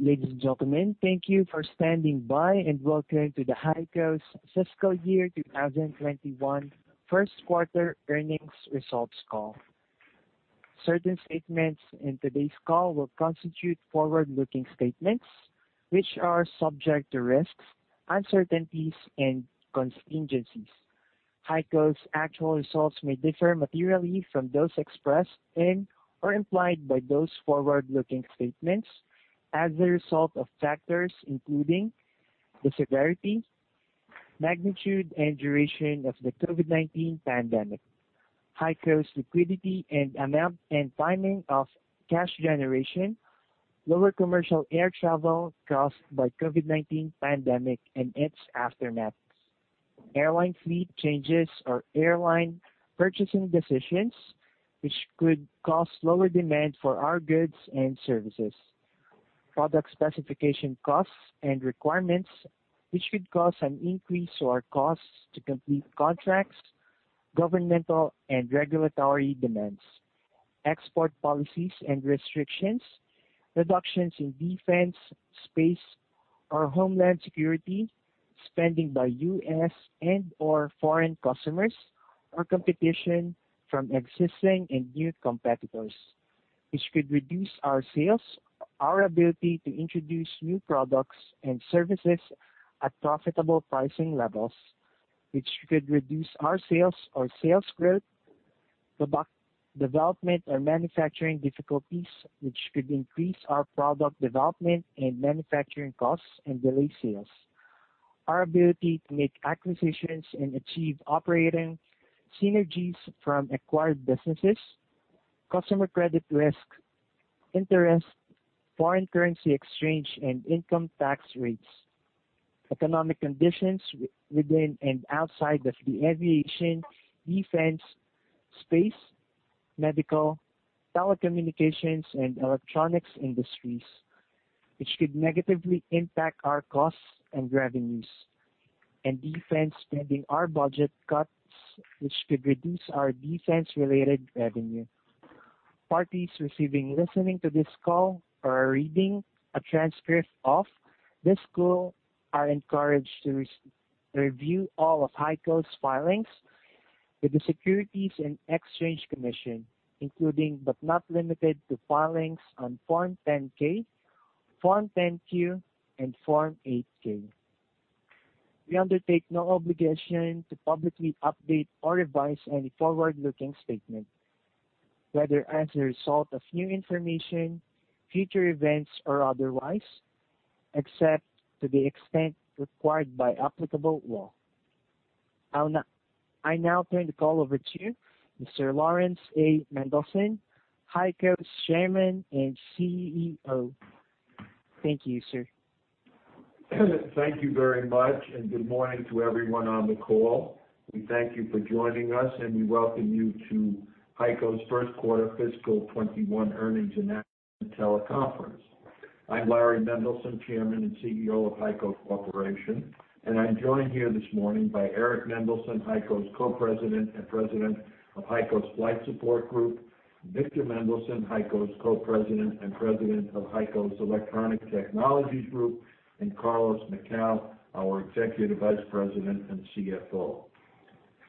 Ladies and gentlemen, thank you for standing by, and welcome to the HEICO's Fiscal Year 2021 First Quarter Earnings Results Call. Certain statements in today's call will constitute forward-looking statements, which are subject to risks, uncertainties, and contingencies. HEICO's actual results may differ materially from those expressed and/or implied by those forward-looking statements as a result of factors including the severity, magnitude, and duration of the COVID-19 pandemic, HEICO's liquidity and amount and timing of cash generation, lower commercial air travel caused by COVID-19 pandemic and its aftermath, airline fleet changes or airline purchasing decisions, which could cause lower demand for our goods and services, product specification costs and requirements, which could cause an increase or costs to complete contracts, governmental and regulatory demands, export policies and restrictions, reductions in defense, space or homeland security spending by U.S. and/or foreign customers or competition from existing and new competitors, which could reduce our sales, our ability to introduce new products and services at profitable pricing levels. Which could reduce our sales or sales growth, product development or manufacturing difficulties, which could increase our product development and manufacturing costs and delay sales, our ability to make acquisitions and achieve operating synergies from acquired businesses, customer credit risk, interest, foreign currency exchange, and income tax rates, economic conditions within and outside of the aviation, defense, space, medical, telecommunications, and electronics industries, which could negatively impact our costs and revenues, and defense spending or budget cuts, which could reduce our defense-related revenue. Parties receiving, listening to this call or are reading a transcript of this call are encouraged to review all of HEICO's filings with the Securities and Exchange Commission, including, but not limited to filings on Form 10-K, Form 10-Q, and Form 8-K. We undertake no obligation to publicly update or revise any forward-looking statement, whether as a result of new information, future events, or otherwise, except to the extent required by applicable law. I now turn the call over to Mr. Laurans A. Mendelson, HEICO's Chairman and CEO. Thank you, sir. Thank you very much, and good morning to everyone on the call. We thank you for joining us, and we welcome you to HEICO's First Quarter Fiscal 2021 Earnings Announcement Teleconference. I'm Larry Mendelson, Chairman and CEO of HEICO Corporation, and I'm joined here this morning by Eric Mendelson, HEICO's Co-President and President of HEICO's Flight Support Group, Victor Mendelson, HEICO's Co-President and President of HEICO's Electronic Technologies Group, and Carlos Macau, our Executive Vice President and CFO.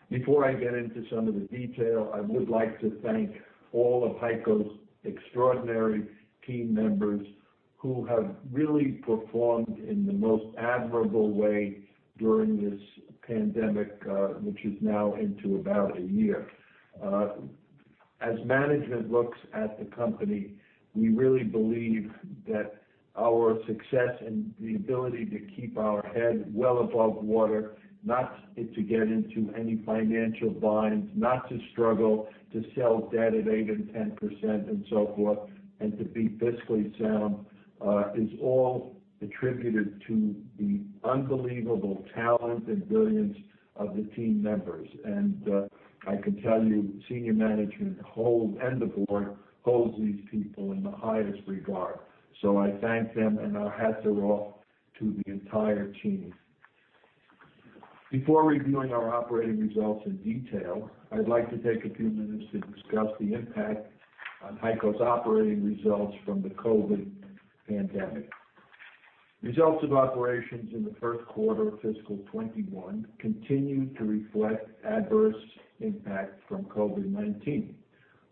Before I get into some of the detail, I would like to thank all of HEICO's extraordinary team members who have really performed in the most admirable way during this pandemic, which is now into about a year. I can tell you, senior management and the board holds these people in the highest regard. I thank them, and our hats are off to the entire team. Before reviewing our operating results in detail, I'd like to take a few minutes to discuss the impact on HEICO's operating results from the COVID pandemic. Results of operations in the first quarter of fiscal 2021 continued to reflect adverse impact from COVID-19.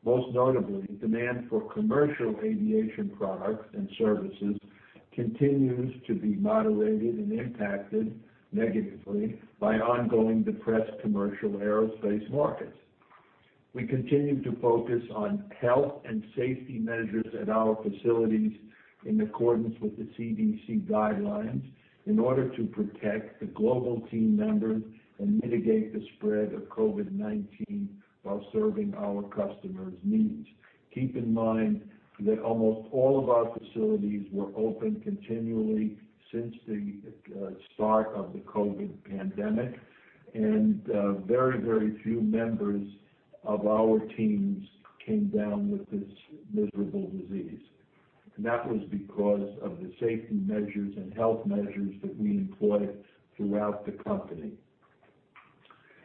Most notably, demand for commercial aviation products and services continues to be moderated and impacted negatively by ongoing depressed commercial aerospace markets. We continue to focus on health and safety measures at our facilities in accordance with the CDC guidelines in order to protect the global team members and mitigate the spread of COVID-19 while serving our customer's needs. Keep in mind that almost all of our facilities were open continually since the start of the COVID pandemic, and very few members of our teams came down with this miserable disease. That was because of the safety measures and health measures that we employed throughout the company.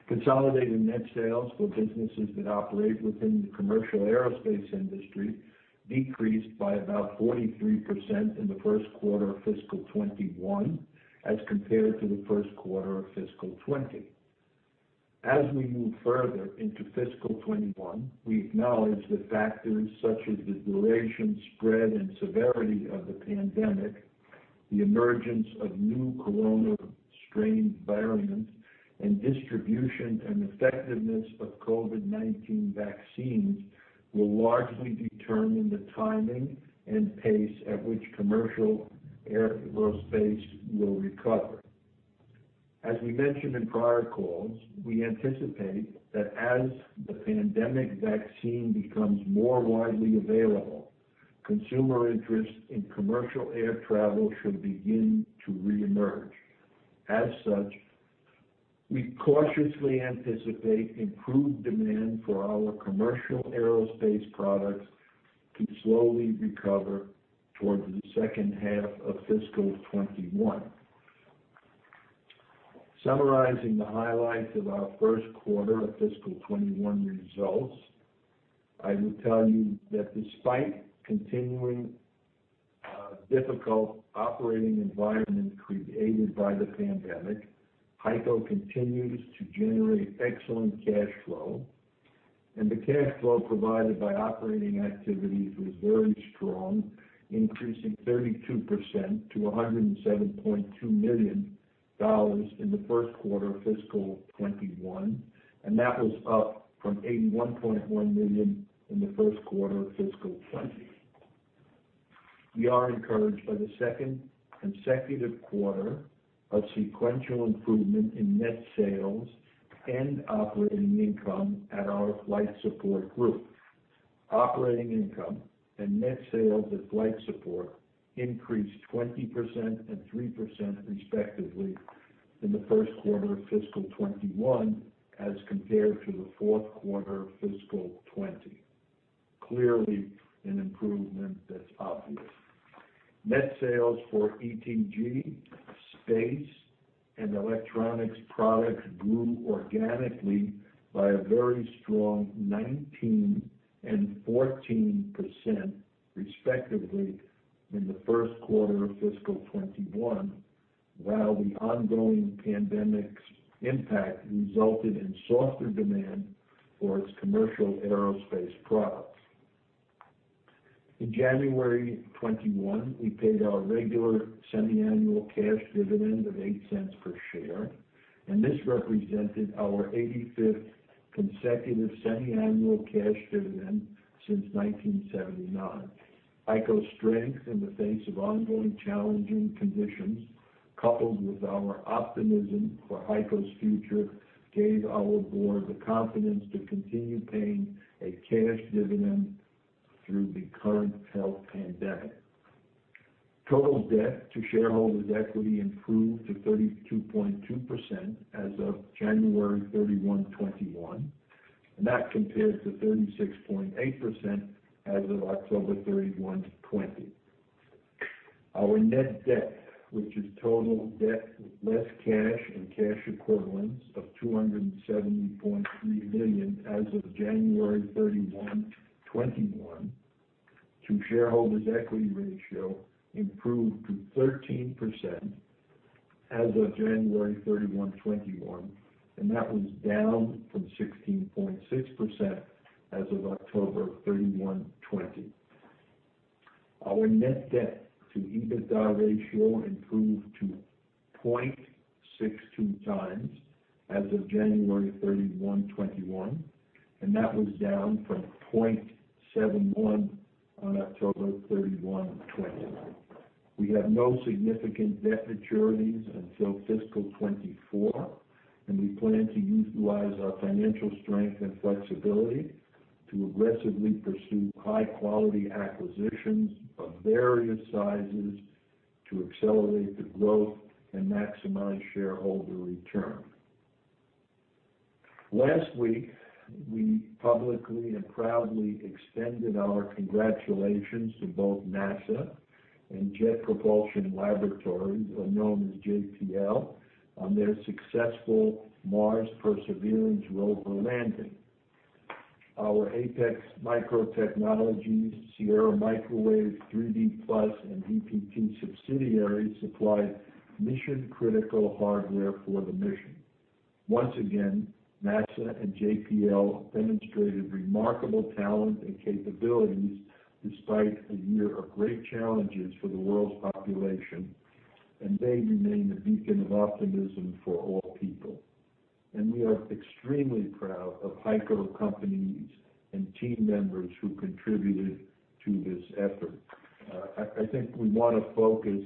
Consolidated net sales for businesses that operate within the commercial aerospace industry decreased by about 43% in the first quarter of fiscal 2021 as compared to the first quarter of fiscal 2020. As we move further into fiscal 2021, we acknowledge that factors such as the duration, spread, and severity of the pandemic, the emergence of new corona strain variants, and distribution and effectiveness of COVID-19 vaccines will largely determine the timing and pace at which commercial aerospace will recover. As we mentioned in prior calls, we anticipate that as the pandemic vaccine becomes more widely available, consumer interest in commercial air travel should begin to reemerge. As such, we cautiously anticipate improved demand for our commercial aerospace products to slowly recover towards the second half of fiscal 2021. Summarizing the highlights of our first quarter of fiscal 2021 results, I will tell you that despite the continuing difficult operating environment created by the pandemic, HEICO continues to generate excellent cash flow. The cash flow provided by operating activities was very strong, increasing 32% to $107.2 million in the first quarter of fiscal 2021, and that was up from $81.1 million in the first quarter of fiscal 2020. We are encouraged by the second consecutive quarter of sequential improvement in net sales and operating income at our Flight Support Group. Operating income and net sales at Flight Support increased 20% and 3% respectively in the first quarter of fiscal 2021 as compared to the fourth quarter of fiscal 2020. Clearly, an improvement that's obvious. Net sales for ETG, Space, and Electronics Products grew organically by a very strong 19% and 14% respectively in the first quarter of fiscal 2021, while the ongoing pandemic's impact resulted in softer demand for its commercial aerospace products. In January 2021, we paid our regular semiannual cash dividend of $0.08 per share, and this represented our 85th consecutive semiannual cash dividend since 1979. HEICO's strength in the face of ongoing challenging conditions, coupled with our optimism for HEICO's future, gave our board the confidence to continue paying a cash dividend through the current health pandemic. Total debt to shareholders equity improved to 32.2% as of January 31, 2021, and that compares to 36.8% as of October 31, 2020. Our net debt, which is total debt less cash and cash equivalents of $270.3 million as of January 31, 2021 to shareholders equity ratio improved to 13% as of January 31, 2021, and that was down from 16.6% as of October 31, 2020. Our net debt to EBITDA ratio improved to 0.62x as of January 31, 2021, and that was down from 0.71x on October 31, 2020. We have no significant debt maturities until fiscal 2024. We plan to utilize our financial strength and flexibility to aggressively pursue high-quality acquisitions of various sizes to accelerate the growth and maximize shareholder return. Last week, we publicly and proudly extended our congratulations to both NASA and Jet Propulsion Laboratory, or known as JPL, on their successful Mars Perseverance Rover landing. Our Apex Microtechnology, Sierra Microwave, 3D PLUS, and VPT subsidiaries supplied mission-critical hardware for the mission. Once again, NASA and JPL demonstrated remarkable talent and capabilities despite a year of great challenges for the world's population. They remain a beacon of optimism for all people. We are extremely proud of HEICO companies and team members who contributed to this effort. I think we want to focus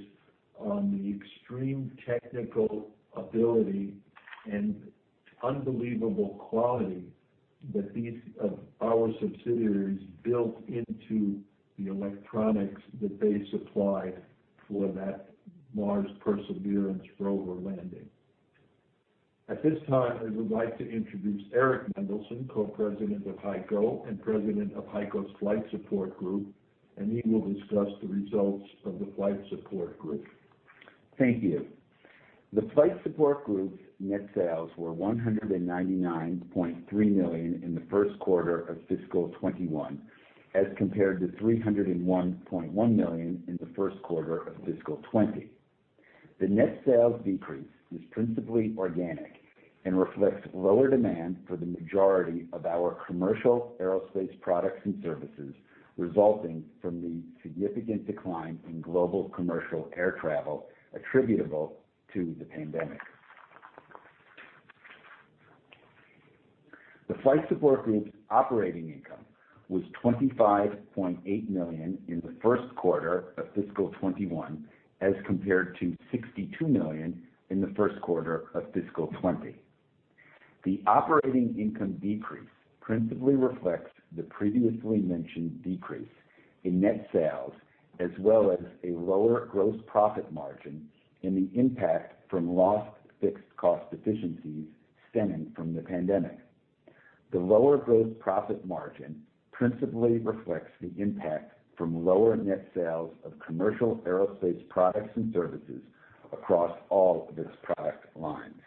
on the extreme technical ability and unbelievable quality that our subsidiaries built into the electronics that they supplied for that Mars Perseverance Rover landing. At this time, I would like to introduce Eric Mendelson, Co-President of HEICO and President of HEICO's Flight Support Group, and he will discuss the results of the Flight Support Group. Thank you. The Flight Support Group's net sales were $199.3 million in the first quarter of fiscal 2021 as compared to $301.1 million in the first quarter of fiscal 2020. The net sales decrease is principally organic and reflects lower demand for the majority of our commercial aerospace products and services, resulting from the significant decline in global commercial air travel attributable to the pandemic. The Flight Support Group's operating income was $25.8 million in the first quarter of fiscal 2021, as compared to $62 million in the first quarter of fiscal 2020. The operating income decrease principally reflects the previously mentioned decrease in net sales, as well as a lower gross profit margin and the impact from lost fixed cost efficiencies stemming from the pandemic. The lower gross profit margin principally reflects the impact from lower net sales of commercial aerospace products and services across all of its product lines.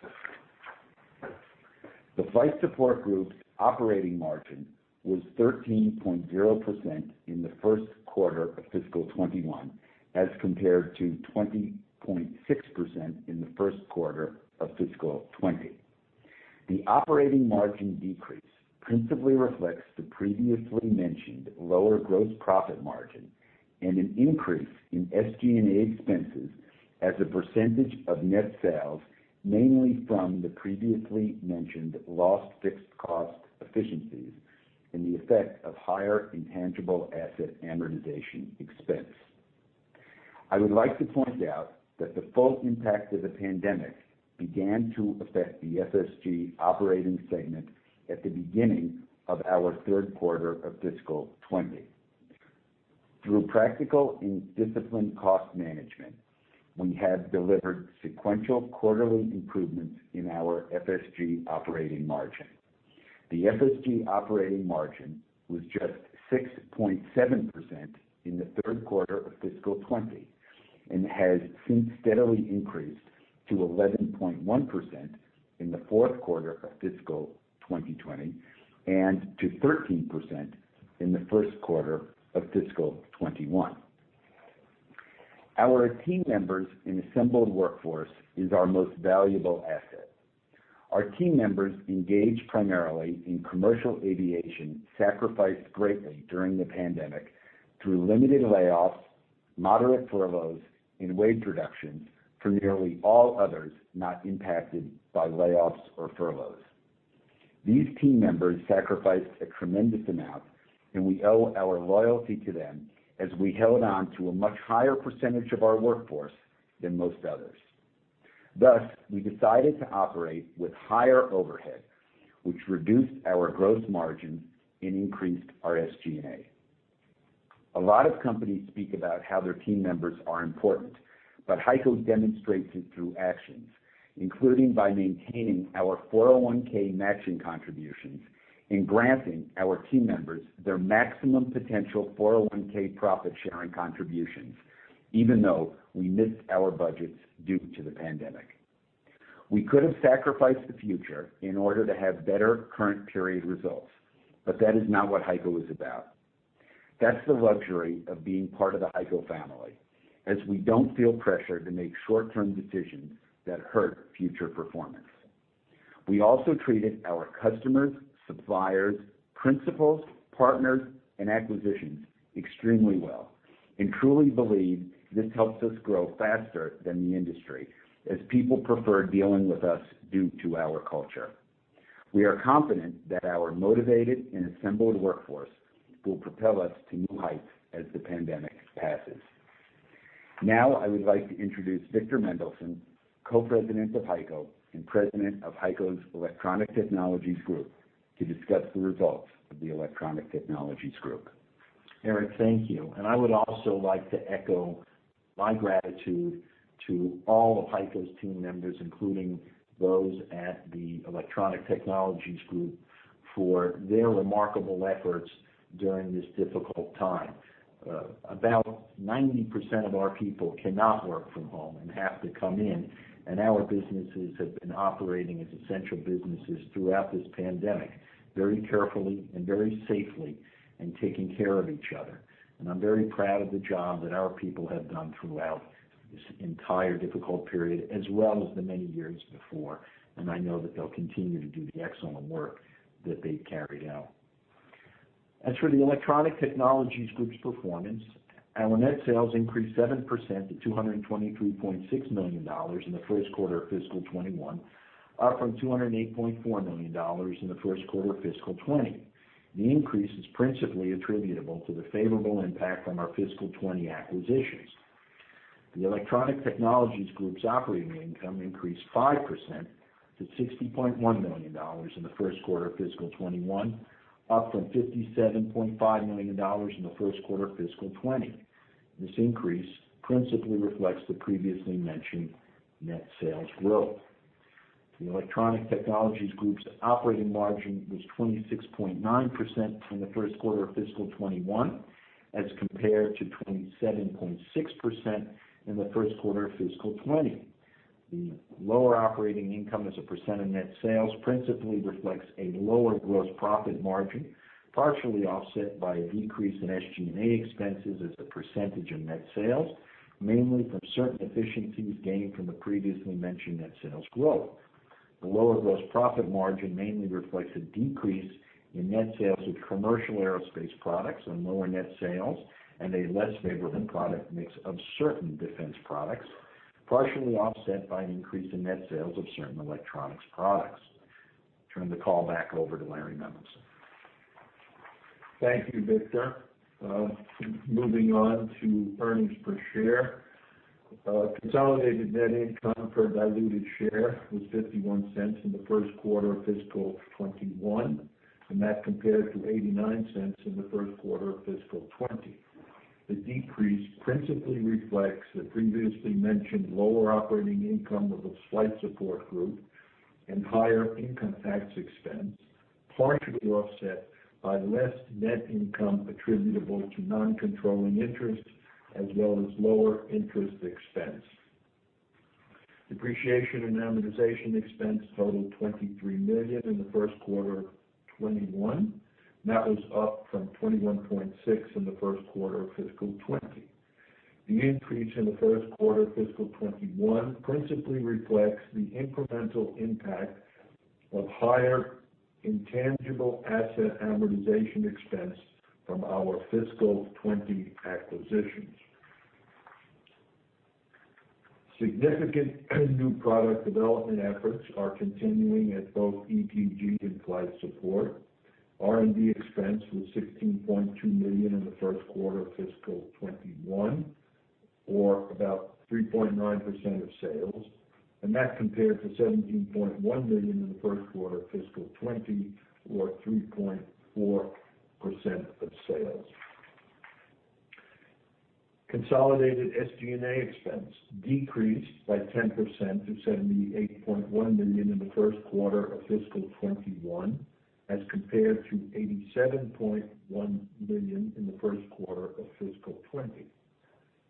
The Flight Support Group's operating margin was 13.0% in the first quarter of fiscal 2021, as compared to 20.6% in the first quarter of fiscal 2020. The operating margin decrease principally reflects the previously mentioned lower gross profit margin and an increase in SG&A expenses as a percentage of net sales, mainly from the previously mentioned lost fixed cost efficiencies and the effect of higher intangible asset amortization expense. I would like to point out that the full impact of the pandemic began to affect the FSG operating segment at the beginning of our third quarter of fiscal 2020. Through practical and disciplined cost management, we have delivered sequential quarterly improvements in our FSG operating margin. The FSG operating margin was just 6.7% in the third quarter of fiscal 2020, and has since steadily increased to 11.1% in the fourth quarter of fiscal 2020, and to 13% in the first quarter of fiscal 2021. Our team members and assembled workforce is our most valuable asset. Our team members, engaged primarily in commercial aviation, sacrificed greatly during the pandemic through limited layoffs, moderate furloughs, and wage reductions for nearly all others not impacted by layoffs or furloughs. These team members sacrificed a tremendous amount, and we owe our loyalty to them as we held on to a much higher percentage of our workforce than most others. Thus, we decided to operate with higher overhead, which reduced our gross margin and increased our SG&A. A lot of companies speak about how their team members are important, but HEICO demonstrates it through actions, including by maintaining our 401(k) matching contributions and granting our team members their maximum potential 401(k) profit-sharing contributions, even though we missed our budgets due to the pandemic. We could have sacrificed the future in order to have better current period results, but that is not what HEICO is about. That's the luxury of being part of the HEICO family, as we don't feel pressured to make short-term decisions that hurt future performance. We also treated our customers, suppliers, principals, partners, and acquisitions extremely well and truly believe this helps us grow faster than the industry, as people prefer dealing with us due to our culture. We are confident that our motivated and assembled workforce will propel us to new heights as the pandemic passes. Now I would like to introduce Victor Mendelson, Co-President of HEICO and President of HEICO's Electronic Technologies Group, to discuss the results of the Electronic Technologies Group. Eric, thank you. I would also like to echo my gratitude to all of HEICO's team members, including those at the Electronic Technologies Group, for their remarkable efforts during this difficult time. About 90% of our people cannot work from home and have to come in, our businesses have been operating as essential businesses throughout this pandemic very carefully and very safely and taking care of each other. I'm very proud of the job that our people have done throughout this entire difficult period as well as the many years before. I know that they'll continue to do the excellent work that they've carried out. As for the Electronic Technologies Group's performance, our net sales increased 7% to $223.6 million in the first quarter of fiscal 2021, up from $208.4 million in the first quarter of fiscal 2020. The increase is principally attributable to the favorable impact from our fiscal 2020 acquisitions. The Electronic Technologies Group's operating income increased 5% to $60.1 million in the first quarter of fiscal 2021, up from $57.5 million in the first quarter of fiscal 2020. This increase principally reflects the previously mentioned net sales growth. The Electronic Technologies Group's operating margin was 26.9% in the first quarter of fiscal 2021 as compared to 27.6% in the first quarter of fiscal 2020. The lower operating income as a percent of net sales principally reflects a lower gross profit margin, partially offset by a decrease in SG&A expenses as a percentage of net sales, mainly from certain efficiencies gained from the previously mentioned net sales growth. The lower gross profit margin mainly reflects a decrease in net sales of commercial aerospace products and lower net sales and a less favorable product mix of certain defense products, partially offset by an increase in net sales of certain electronics products. Turn the call back over to Larry Mendelson. Thank you, Victor. Moving on to earnings per share. Consolidated net income per diluted share was $0.51 in the first quarter of fiscal 2021, and that compared to $0.89 in the first quarter of fiscal 2020. The decrease principally reflects the previously mentioned lower operating income of the Flight Support Group and higher income tax expense, partially offset by less net income attributable to non-controlling interests as well as lower interest expense. Depreciation and amortization expense totaled $23 million in the first quarter of 2021. That was up from $21.6 million in the first quarter of fiscal 2020. The increase in the first quarter of fiscal 2021 principally reflects the incremental impact of higher intangible asset amortization expense from our fiscal 2020 acquisitions. Significant new product development efforts are continuing at both ETG and Flight Support. R&D expense was $16.2 million in the first quarter of fiscal 2021, or about 3.9% of sales. That compared to $17.1 million in the first quarter of fiscal 2020, or 3.4% of sales. Consolidated SG&A expense decreased by 10% to $78.1 million in the first quarter of fiscal 2021 as compared to $87.1 million in the first quarter of fiscal 2020.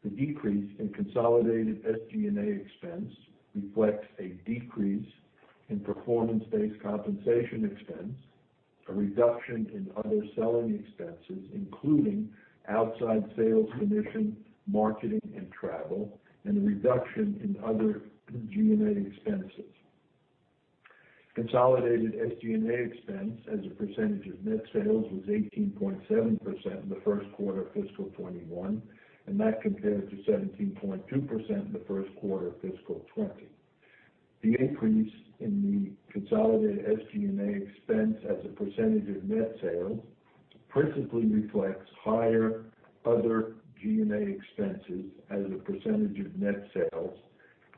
The decrease in consolidated SG&A expense reflects a decrease in performance-based compensation expense, a reduction in other selling expenses, including outside sales commission, marketing, and travel, and a reduction in other G&A expenses. Consolidated SG&A expense as a percentage of net sales was 18.7% in the first quarter of fiscal 2021. That compared to 17.2% in the first quarter of fiscal 2020. The increase in the consolidated SG&A expense as a percentage of net sales principally reflects higher other G&A expenses as a percentage of net sales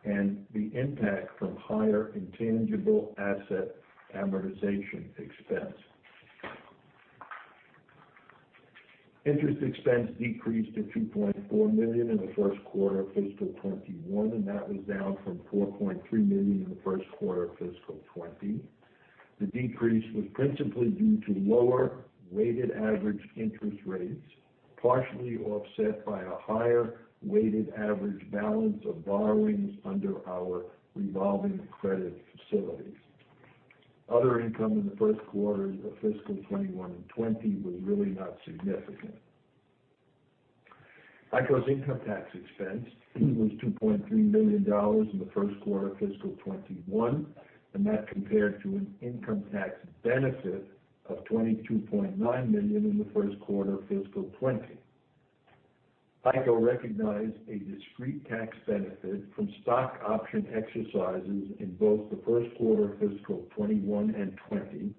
and the impact from higher intangible asset amortization expense. Interest expense decreased to $2.4 million in the first quarter of fiscal 2021, that was down from $4.3 million in the first quarter of fiscal 2020. The decrease was principally due to lower weighted average interest rates, partially offset by a higher weighted average balance of borrowings under our revolving credit facilities. Other income in the first quarter of fiscal 2021 and 2020 was really not significant. HEICO's income tax expense was $2.3 million in the first quarter of fiscal 2021, that compared to an income tax benefit of $22.9 million in the first quarter of fiscal 2020. HEICO recognized a discrete tax benefit from stock option exercises in both the first quarter of fiscal 2021 and 2020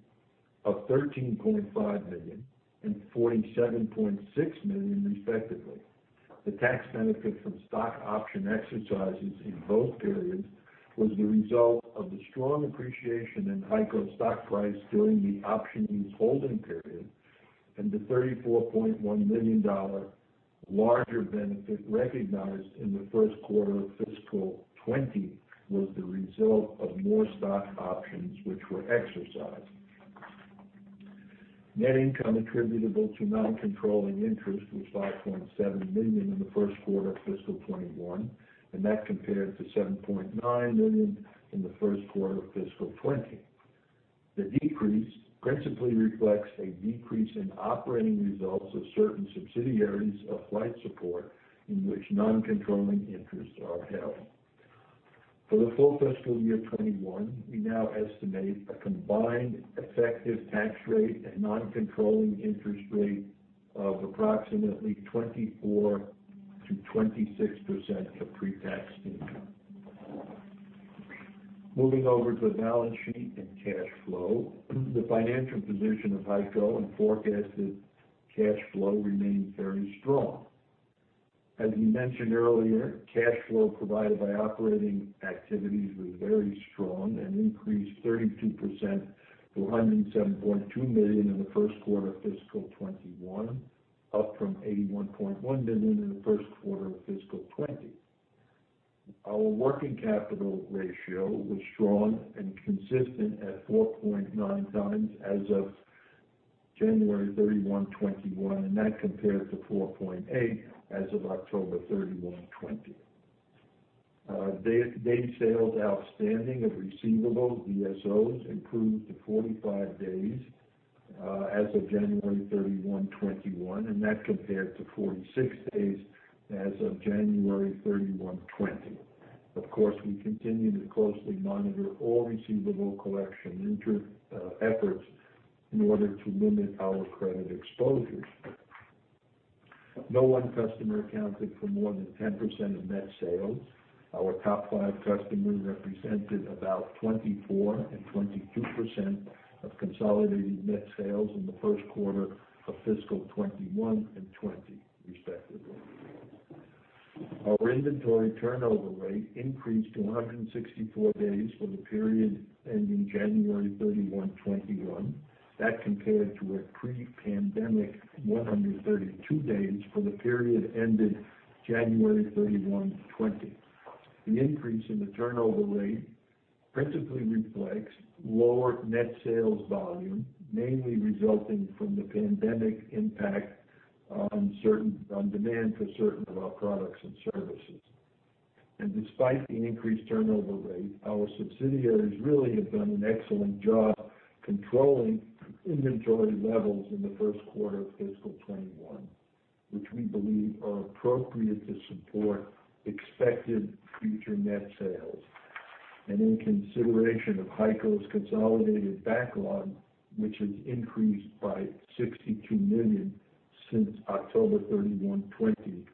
of $13.5 million and $47.6 million, respectively. The tax benefit from stock option exercises in both periods was the result of the strong appreciation in HEICO stock price during the option use holding period, and the $34.1 million larger benefit recognized in the first quarter of fiscal 2020 was the result of more stock options which were exercised. Net income attributable to non-controlling interest was $5.7 million in the first quarter of fiscal 2021, and that compared to $7.9 million in the first quarter of fiscal 2020. The decrease principally reflects a decrease in operating results of certain subsidiaries of Flight Support in which non-controlling interests are held. For the full fiscal year 2021, we now estimate a combined effective tax rate and non-controlling interest rate of approximately 24%-26% of pre-tax income. Moving over to the balance sheet and cash flow. The financial position of HEICO and forecasted cash flow remain very strong. As we mentioned earlier, cash flow provided by operating activities was very strong and increased 32% to $107.2 million in the first quarter of fiscal 2021. Up from $81.1 million in the first quarter of fiscal 2020. Our working capital ratio was strong and consistent at 4.9x as of January 31, 2021, and that compared to 4.8x as of October 31, 2020. Days sales outstanding of receivables, DSOs, improved to 45 days as of January 31, 2021, and that compared to 46 days as of January 31, 2020. Of course, we continue to closely monitor all receivable collection efforts in order to limit our credit exposures. No one customer accounted for more than 10% of net sales. Our top five customers represented about 24% and 22% of consolidated net sales in the first quarter of fiscal 2021 and 2020 respectively. Our inventory turnover rate increased to 164 days for the period ending January 31, 2021. That compared to a pre-pandemic 132 days for the period ended January 31, 2020. The increase in the turnover rate principally reflects lower net sales volume, mainly resulting from the pandemic impact on demand for certain of our products and services. Despite the increased turnover rate, our subsidiaries really have done an excellent job controlling inventory levels in the first quarter of fiscal 2021, which we believe are appropriate to support expected future net sales. In consideration of HEICO's consolidated backlog, which has increased by $62 million since October 31, 2020,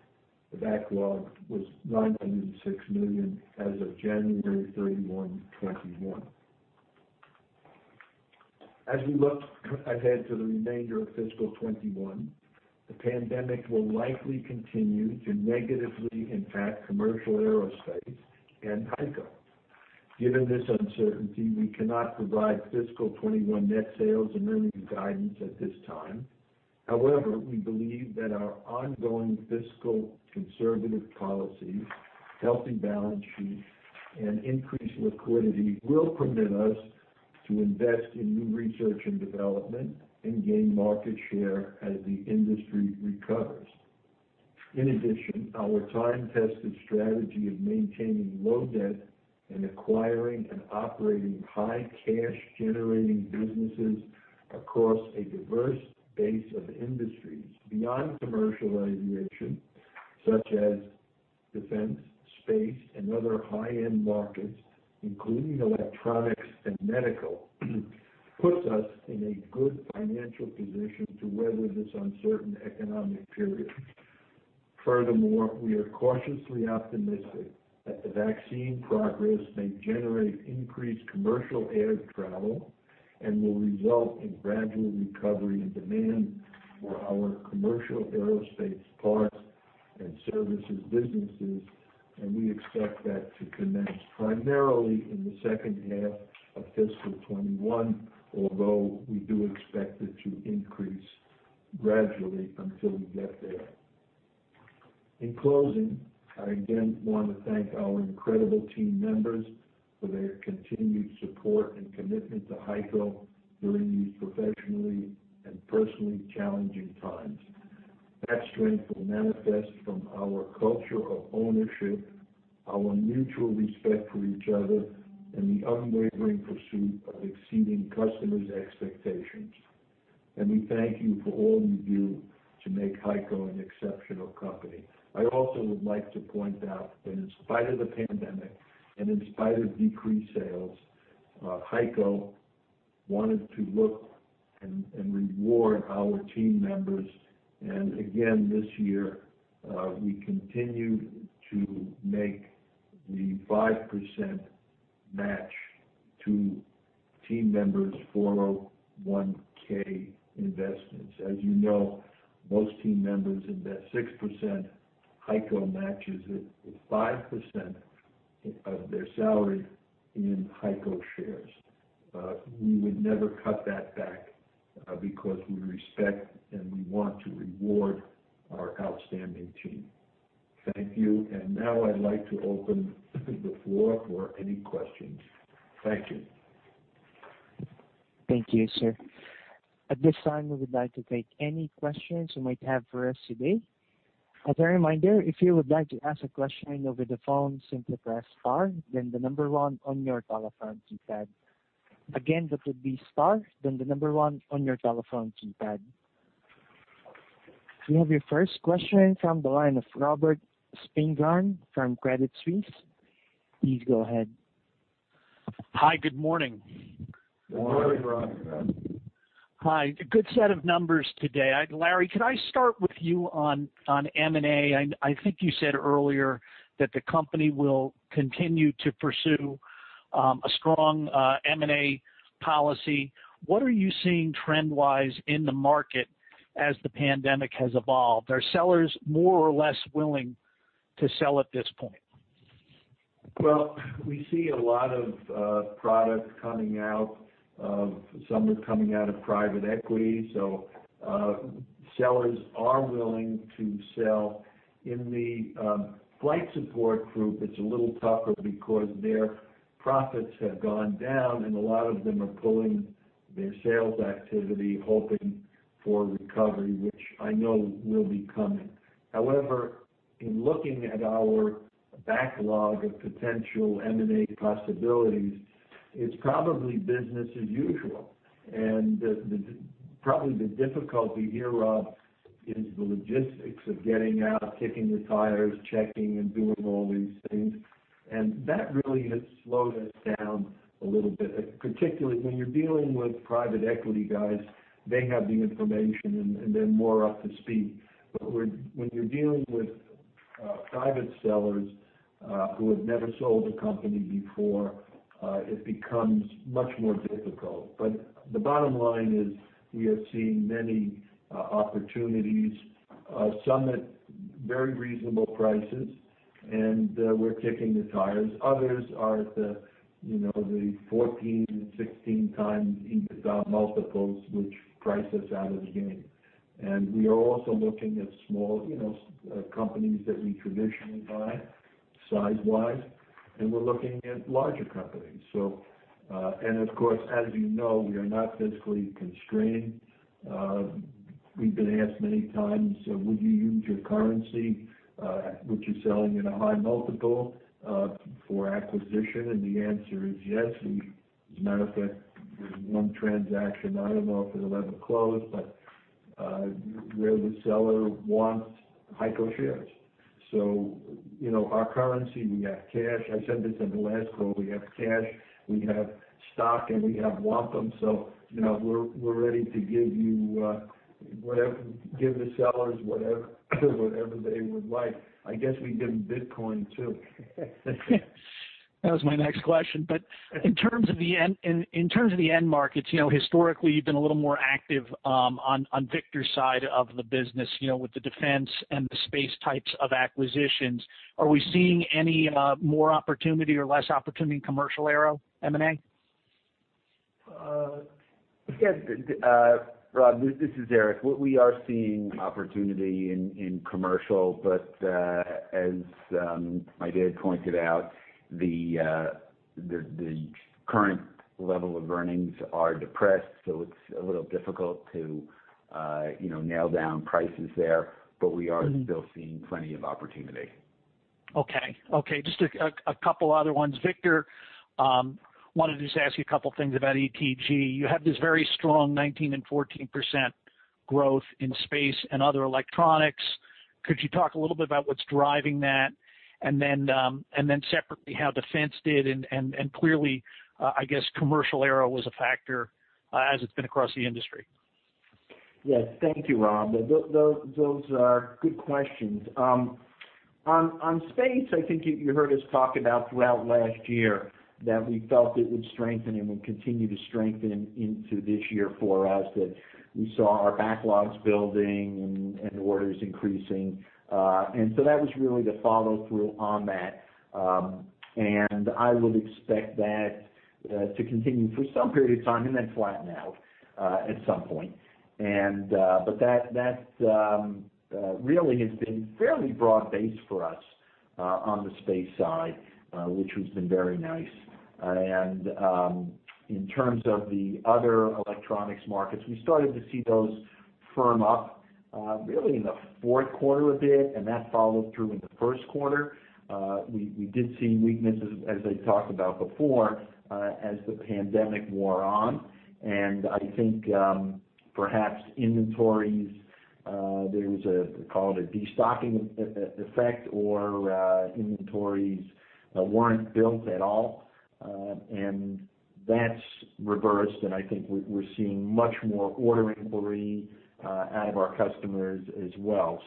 the backlog was $96 million as of January 31, 2021. As we look ahead to the remainder of fiscal 2021, the pandemic will likely continue to negatively impact commercial aerospace and HEICO. Given this uncertainty, we cannot provide fiscal 2021 net sales and earnings guidance at this time. However, we believe that our ongoing fiscal conservative policies, healthy balance sheet, and increased liquidity will permit us to invest in new research and development and gain market share as the industry recovers. In addition, our time-tested strategy of maintaining low debt and acquiring and operating high cash-generating businesses across a diverse base of industries beyond commercial aviation, such as defense, space, and other high-end markets, including electronics and medical, puts us in a good financial position to weather this uncertain economic period. We are cautiously optimistic that the vaccine progress may generate increased commercial air travel and will result in gradual recovery and demand for our commercial aerospace parts and services businesses, and we expect that to commence primarily in the second half of fiscal 2021, although we do expect it to increase gradually until we get there. In closing, I again want to thank our incredible team members for their continued support and commitment to HEICO during these professionally and personally challenging times. That strength will manifest from our culture of ownership, our mutual respect for each other, and the unwavering pursuit of exceeding customers' expectations. We thank you for all you do to make HEICO an exceptional company. I also would like to point out that in spite of the pandemic, and in spite of decreased sales, HEICO wanted to look and reward our team members. Again, this year, we continued to make the 5% match to team members' 401(k) investments. As you know, most team members invest 6%. HEICO matches it with 5% of their salary in HEICO shares. We would never cut that back because we respect and we want to reward our outstanding team. Thank you. Now I'd like to open the floor for any questions. Thank you. Thank you, sir. At this time, we would like to take any questions you might have for us today. As a reminder, if you would like to ask a question over the phone, simply press star then the number one on your telephone keypad. Again, that would be star then the number one on your telephone keypad. We have your first question from the line of Robert Spingarn from Credit Suisse. Please go ahead. Hi. Good morning. Good morning, Rob. Hi. Good set of numbers today. Larry, could I start with you on M&A? I think you said earlier that the company will continue to pursue a strong M&A policy. What are you seeing trend-wise in the market as the pandemic has evolved? Are sellers more or less willing to sell at this point? Well, we see a lot of product coming out. Some are coming out of private equity, sellers are willing to sell. In the Flight Support Group, it's a little tougher because their profits have gone down, and a lot of them are pulling their sales activity, hoping for a recovery, which I know will be coming. However, in looking at our backlog of potential M&A possibilities, it's probably business as usual. Probably the difficulty here, Rob, is the logistics of getting out, kicking the tires, checking and doing all these things. That really has slowed us down a little bit. Particularly when you're dealing with private equity guys, they have the information, and they're more up to speed. When you're dealing with private sellers who have never sold a company before, it becomes much more difficult. The bottom line is we are seeing many opportunities, some at very reasonable prices, and we're kicking the tires. Others are at the 14x, and 16x EBITDA multiples, which price us out of the game. We are also looking at small companies that we traditionally buy, size-wise, and we're looking at larger companies. Of course, as you know, we are not fiscally constrained. We've been asked many times, "Would you use your currency, which is selling at a high multiple, for acquisition?" The answer is yes. As a matter of fact, there's one transaction, I don't know if it'll ever close, but where the seller wants HEICO shares. Our currency, we have cash. I said this in the last call, we have cash, we have stock, and we have wampum. We're ready to give the sellers whatever they would like. I guess we can give them Bitcoin, too. That was my next question. In terms of the end markets, historically, you've been a little more active on Victor's side of the business, with the defense and the space types of acquisitions. Are we seeing any more opportunity or less opportunity in commercial aero M&A? Yes. Rob, this is Eric. We are seeing opportunity in commercial, but as my dad pointed out, the current level of earnings are depressed, so it's a little difficult to nail down prices there. We are still seeing plenty of opportunity. Okay. Just a couple other ones. Victor, wanted to just ask you a couple things about ETG. You have this very strong 19% and 14% growth in space and other electronics. Could you talk a little bit about what's driving that? Then separately, how defense did, and clearly, I guess commercial aero was a factor as it's been across the industry. Yes. Thank you, Rob. Those are good questions. On space, I think you heard us talk about throughout last year that we felt it would strengthen and would continue to strengthen into this year for us. We saw our backlogs building and orders increasing. That was really the follow-through on that. I would expect that to continue for some period of time and then flatten out at some point. That really has been fairly broad-based for us on the space side, which has been very nice. In terms of the other electronics markets, we started to see those firm up really in the fourth quarter a bit, and that followed through in the first quarter. We did see weaknesses as I talked about before, as the pandemic wore on. I think perhaps inventories, there was call it a de-stocking effect, or inventories weren't built at all. That's reversed, and I think we're seeing much more order inquiry out of our customers as well.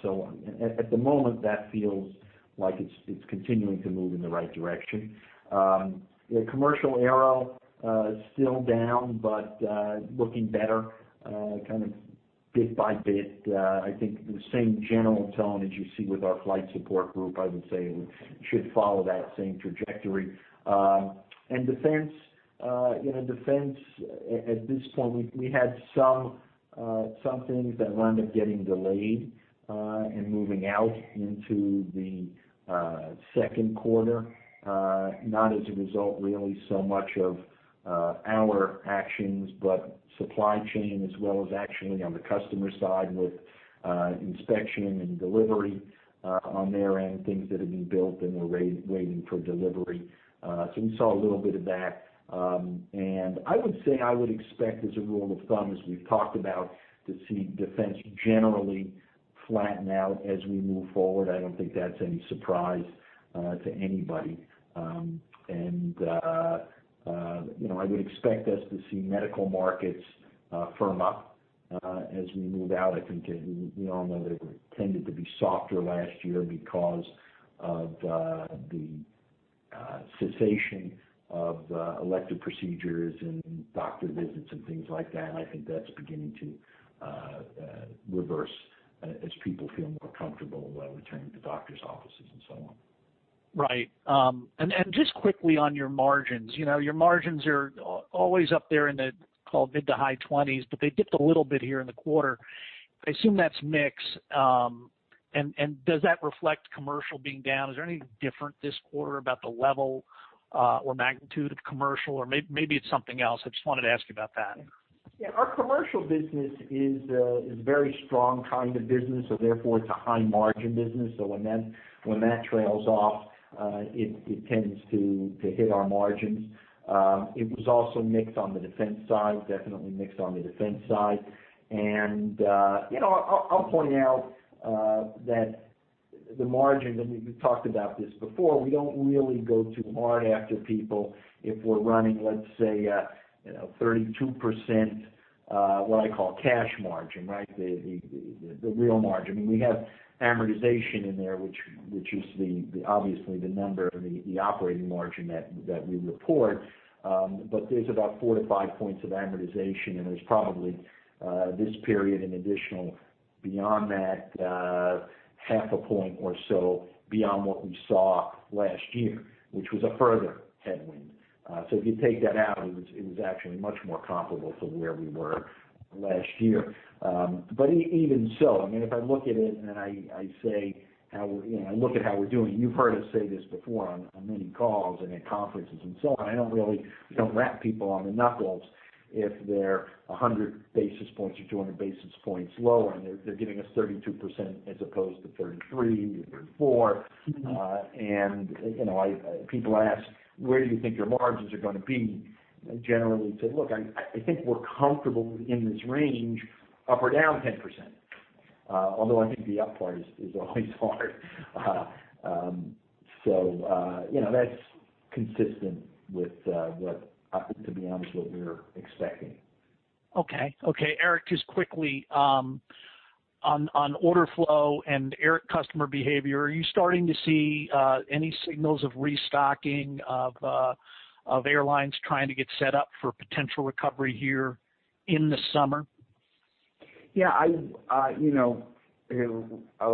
At the moment, that feels like it's continuing to move in the right direction. Commercial aero is still down, but looking better kind of bit by bit. I think the same general tone as you see with our Flight Support Group, I would say it should follow that same trajectory. Defense at this point, we had some things that wound up getting delayed and moving out into the second quarter. Not as a result really so much of our actions, but supply chain as well as actually on the customer side with inspection and delivery on their end, things that have been built and are waiting for delivery. We saw a little bit of that. I would say, I would expect as a rule of thumb, as we've talked about, to see defense generally flatten out as we move forward. I don't think that's any surprise to anybody. I would expect us to see medical markets firm up as we move out. I think we all know they tended to be softer last year because of the cessation of elective procedures and doctor visits and things like that, and I think that's beginning to reverse as people feel more comfortable returning to doctors offices and so on. Right. Just quickly on your margins. Your margins are always up there in the mid to high 20%, but they dipped a little bit here in the quarter. I assume that's mix. Does that reflect commercial being down? Is there anything different this quarter about the level or magnitude of commercial, or maybe it's something else? I just wanted to ask about that. Yeah. Our commercial business is a very strong kind of business, therefore, it's a high margin business. When that trails off, it tends to hit our margins. It was also mix on the defense side, definitely mix on the defense side. I'll point out that the margin, and we've talked about this before, we don't really go too hard after people if we're running, let's say, 32%, what I call cash margin. The real margin. We have amortization in there, which is obviously the number, the operating margin that we report. There's about 4-5 points of amortization, and there's probably, this period, an additional beyond that, half a point or so beyond what we saw last year, which was a further headwind. If you take that out, it was actually much more comparable to where we were last year. Even so, if I look at it and I look at how we're doing, you've heard us say this before on many calls and at conferences and so on, I don't really wrap people on the knuckles if they're 100 basis points or 200 basis points lower, and they're giving us 32% as opposed to 33% or 34%. People ask, "Where do you think your margins are going to be?" I generally say, "Look, I think we're comfortable in this range, up or down 10%." I think the up part is always hard. That's consistent with what, to be honest, what we're expecting. Okay. Eric, just quickly, on order flow and customer behavior, are you starting to see any signals of restocking of airlines trying to get set up for potential recovery here in the summer? Yeah. I'll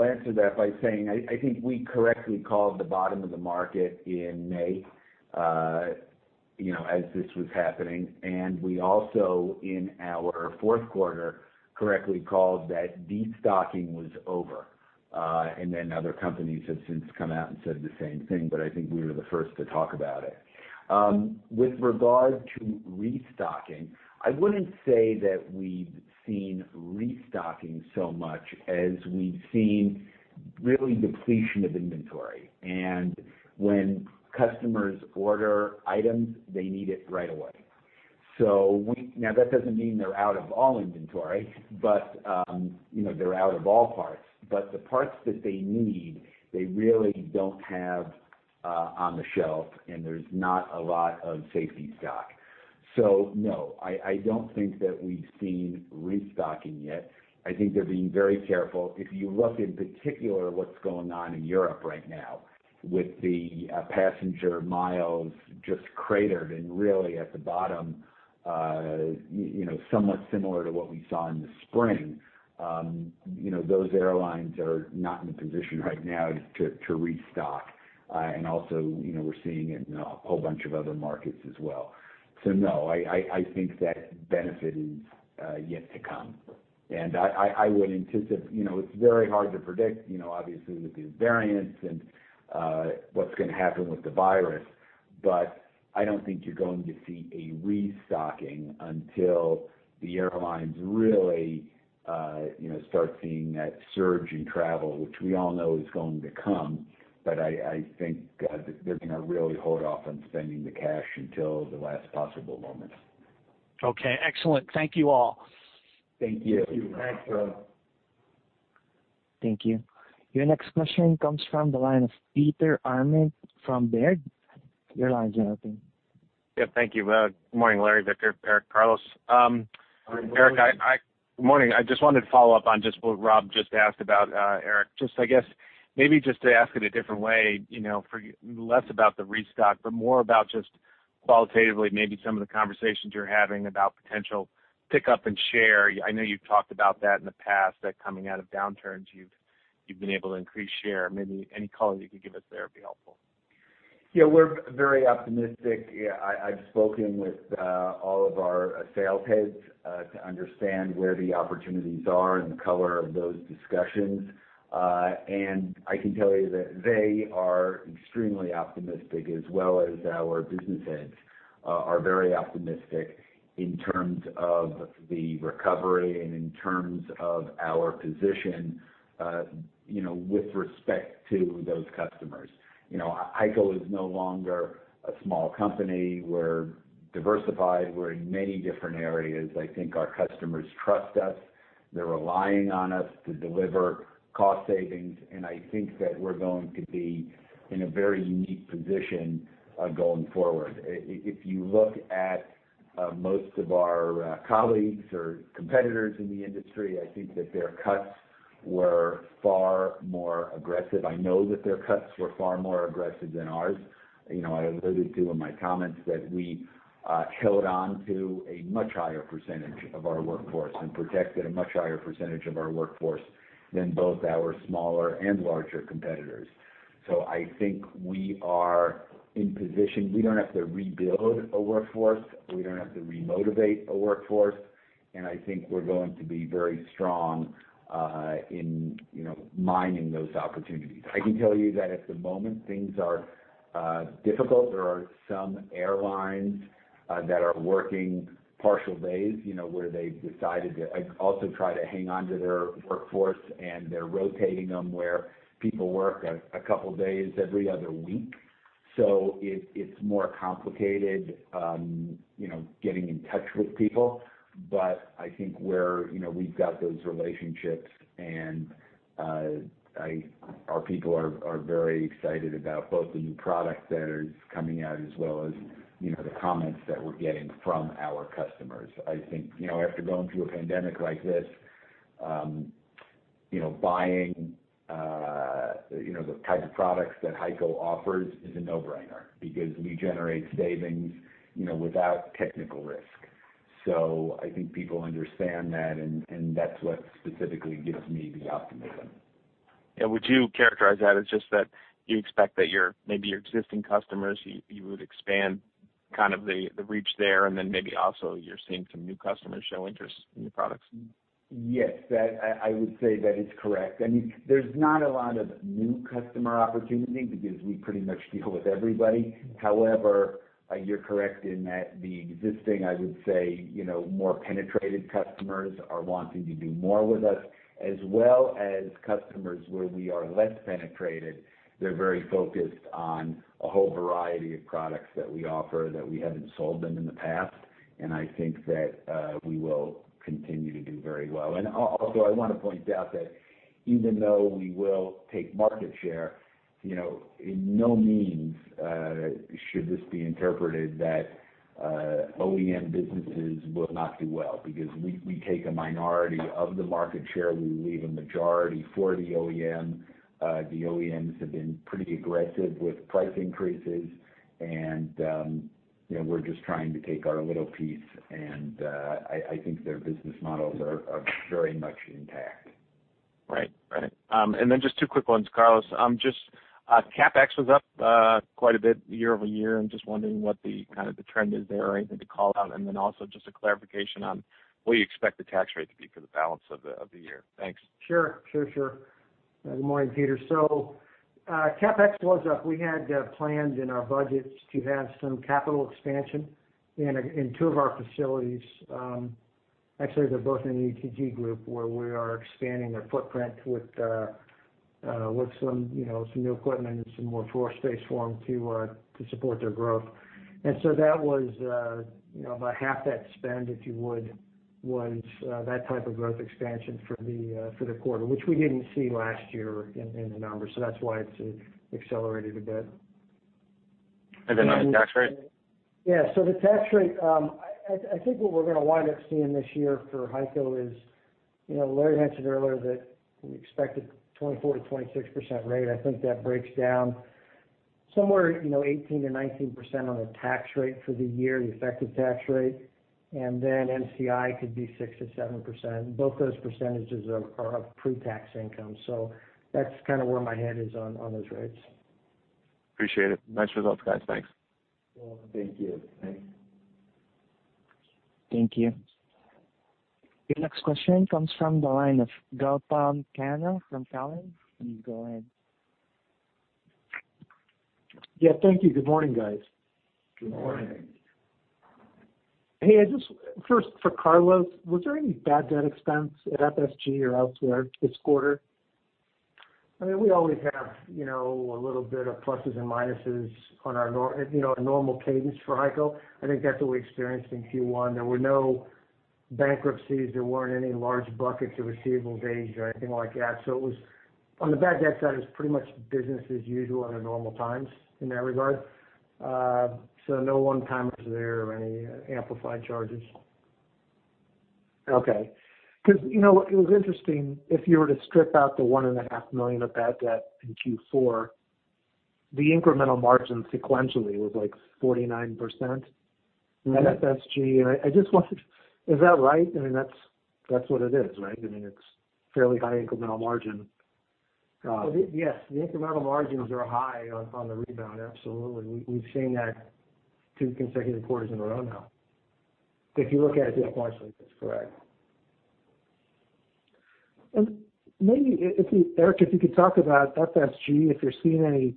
answer that by saying, I think we correctly called the bottom of the market in May, as this was happening. We also, in our fourth quarter, correctly called that destocking was over. Other companies have since come out and said the same thing, but I think we were the first to talk about it. With regard to restocking, I wouldn't say that we've seen restocking so much as we've seen really depletion of inventory. When customers order items, they need it right away. Now, that doesn't mean they're out of all inventory, they're out of all parts. But the parts that they need, they really don't have on the shelf, and there's not a lot of safety stock. No, I don't think that we've seen restocking yet. I think they're being very careful. If you look in particular what's going on in Europe right now, with the passenger miles just cratered and really at the bottom, somewhat similar to what we saw in the spring. Those airlines are not in a position right now to restock. Also, we're seeing it in a whole bunch of other markets as well. No, I think that benefit is yet to come. It's very hard to predict, obviously, with these variants and what's going to happen with the virus, but I don't think you're going to see a restocking until the airlines really start seeing that surge in travel, which we all know is going to come. I think they're going to really hold off on spending the cash until the last possible moment. Okay, excellent. Thank you all. Thank you. Thanks, Rob. Thank you. Your next question comes from the line of Peter Arment from Baird. Your line's now open. Yeah. Thank you. Good morning, Larry, Victor, Eric, Carlos. Good morning, Peter. Eric, good morning. I just wanted to follow up on just what Rob just asked about, Eric. Just, I guess maybe just to ask it a different way, less about the restock, but more about just qualitatively, maybe some of the conversations you're having about potential pickup in share. I know you've talked about that in the past, that coming out of downturns, you've been able to increase share. Maybe any color you could give us there would be helpful. Yeah, we're very optimistic. I've spoken with all of our sales heads to understand where the opportunities are and the color of those discussions. I can tell you that they are extremely optimistic, as well as our business heads are very optimistic in terms of the recovery and in terms of our position with respect to those customers. HEICO is no longer a small company. We're diversified. We're in many different areas. I think our customers trust us. They're relying on us to deliver cost savings, and I think that we're going to be in a very unique position going forward. If you look at most of our colleagues or competitors in the industry, I think that their cuts were far more aggressive. I know that their cuts were far more aggressive than ours. I alluded to in my comments that we held on to a much higher percentage of our workforce and protected a much higher percentage of our workforce than both our smaller and larger competitors. I think we are in position. We don't have to rebuild a workforce, we don't have to re-motivate a workforce. I think we're going to be very strong in mining those opportunities. I can tell you that at the moment, things are difficult. There are some airlines that are working partial days, where they've decided to also try to hang on to their workforce, and they're rotating them where people work a couple of days every other week. It's more complicated getting in touch with people. I think we've got those relationships, and our people are very excited about both the new products that are coming out as well as the comments that we're getting from our customers. I think, after going through a pandemic like this, buying the type of products that HEICO offers is a no-brainer because we generate savings without technical risk. I think people understand that, and that's what specifically gives me the optimism. Yeah. Would you characterize that as just that you expect that maybe your existing customers, you would expand the reach there, and then maybe also you're seeing some new customers show interest in your products? Yes. I would say that is correct. There's not a lot of new customer opportunity because we pretty much deal with everybody. However, you're correct in that the existing, I would say, more penetrated customers are wanting to do more with us, as well as customers where we are less penetrated. They're very focused on a whole variety of products that we offer that we haven't sold them in the past. I think that we will continue to do very well. Also, I want to point out that even though we will take market share, in no means should this be interpreted that OEM businesses will not do well, because we take a minority of the market share. We leave a majority for the OEM. The OEMs have been pretty aggressive with price increases. We're just trying to take our little piece. I think their business models are very much intact. Right. Just two quick ones, Carlos. CapEx was up quite a bit year-over-year, and just wondering what the trend is there or anything to call out. Also just a clarification on what you expect the tax rate to be for the balance of the year. Thanks. Sure. Good morning, Peter. CapEx was up. We had plans in our budgets to have some capital expansion in two of our facilities. Actually, they're both in the ETG Group, where we are expanding their footprint with some new equipment and some more floor space for them to support their growth. That was about half that spend, if you would, was that type of growth expansion for the quarter, which we didn't see last year in the numbers. That's why it's accelerated a bit. On the tax rate? Yeah. The tax rate, I think what we're going to wind up seeing this year for HEICO is, Larry mentioned earlier that we expect a 24%-26% rate. I think that breaks down somewhere 18%-19% on the tax rate for the year, the effective tax rate, and then NCI could be 6%-7%. Both those percentages are of pre-tax income. That's kind of where my head is on those rates. Appreciate it. Nice results, guys. Thanks. Thank you. Thanks. Thank you. Your next question comes from the line of Gautam Khanna from Cowen. You can go ahead. Yeah. Thank you. Good morning, guys. Good morning. Hey, just first for Carlos, was there any bad debt expense at FSG or elsewhere this quarter? We always have a little bit of pluses and minuses on our normal cadence for HEICO. I think that's what we experienced in Q1. There were no bankruptcies, there weren't any large buckets of receivable days or anything like that. On the bad debt side, it was pretty much business as usual under normal times in that regard. No one-timers there or any amplified charges. Okay. It was interesting, if you were to strip out the $1.5 million of bad debt in Q4, the incremental margin sequentially was like 49% at FSG. I just wondered, is that right? That's what it is, right? It's fairly high incremental margin. Yes. The incremental margins are high on the rebound, absolutely. We've seen that two consecutive quarters in a row now. If you look at it sequentially. That's correct. Maybe, Eric, if you could talk about FSG, if you're seeing any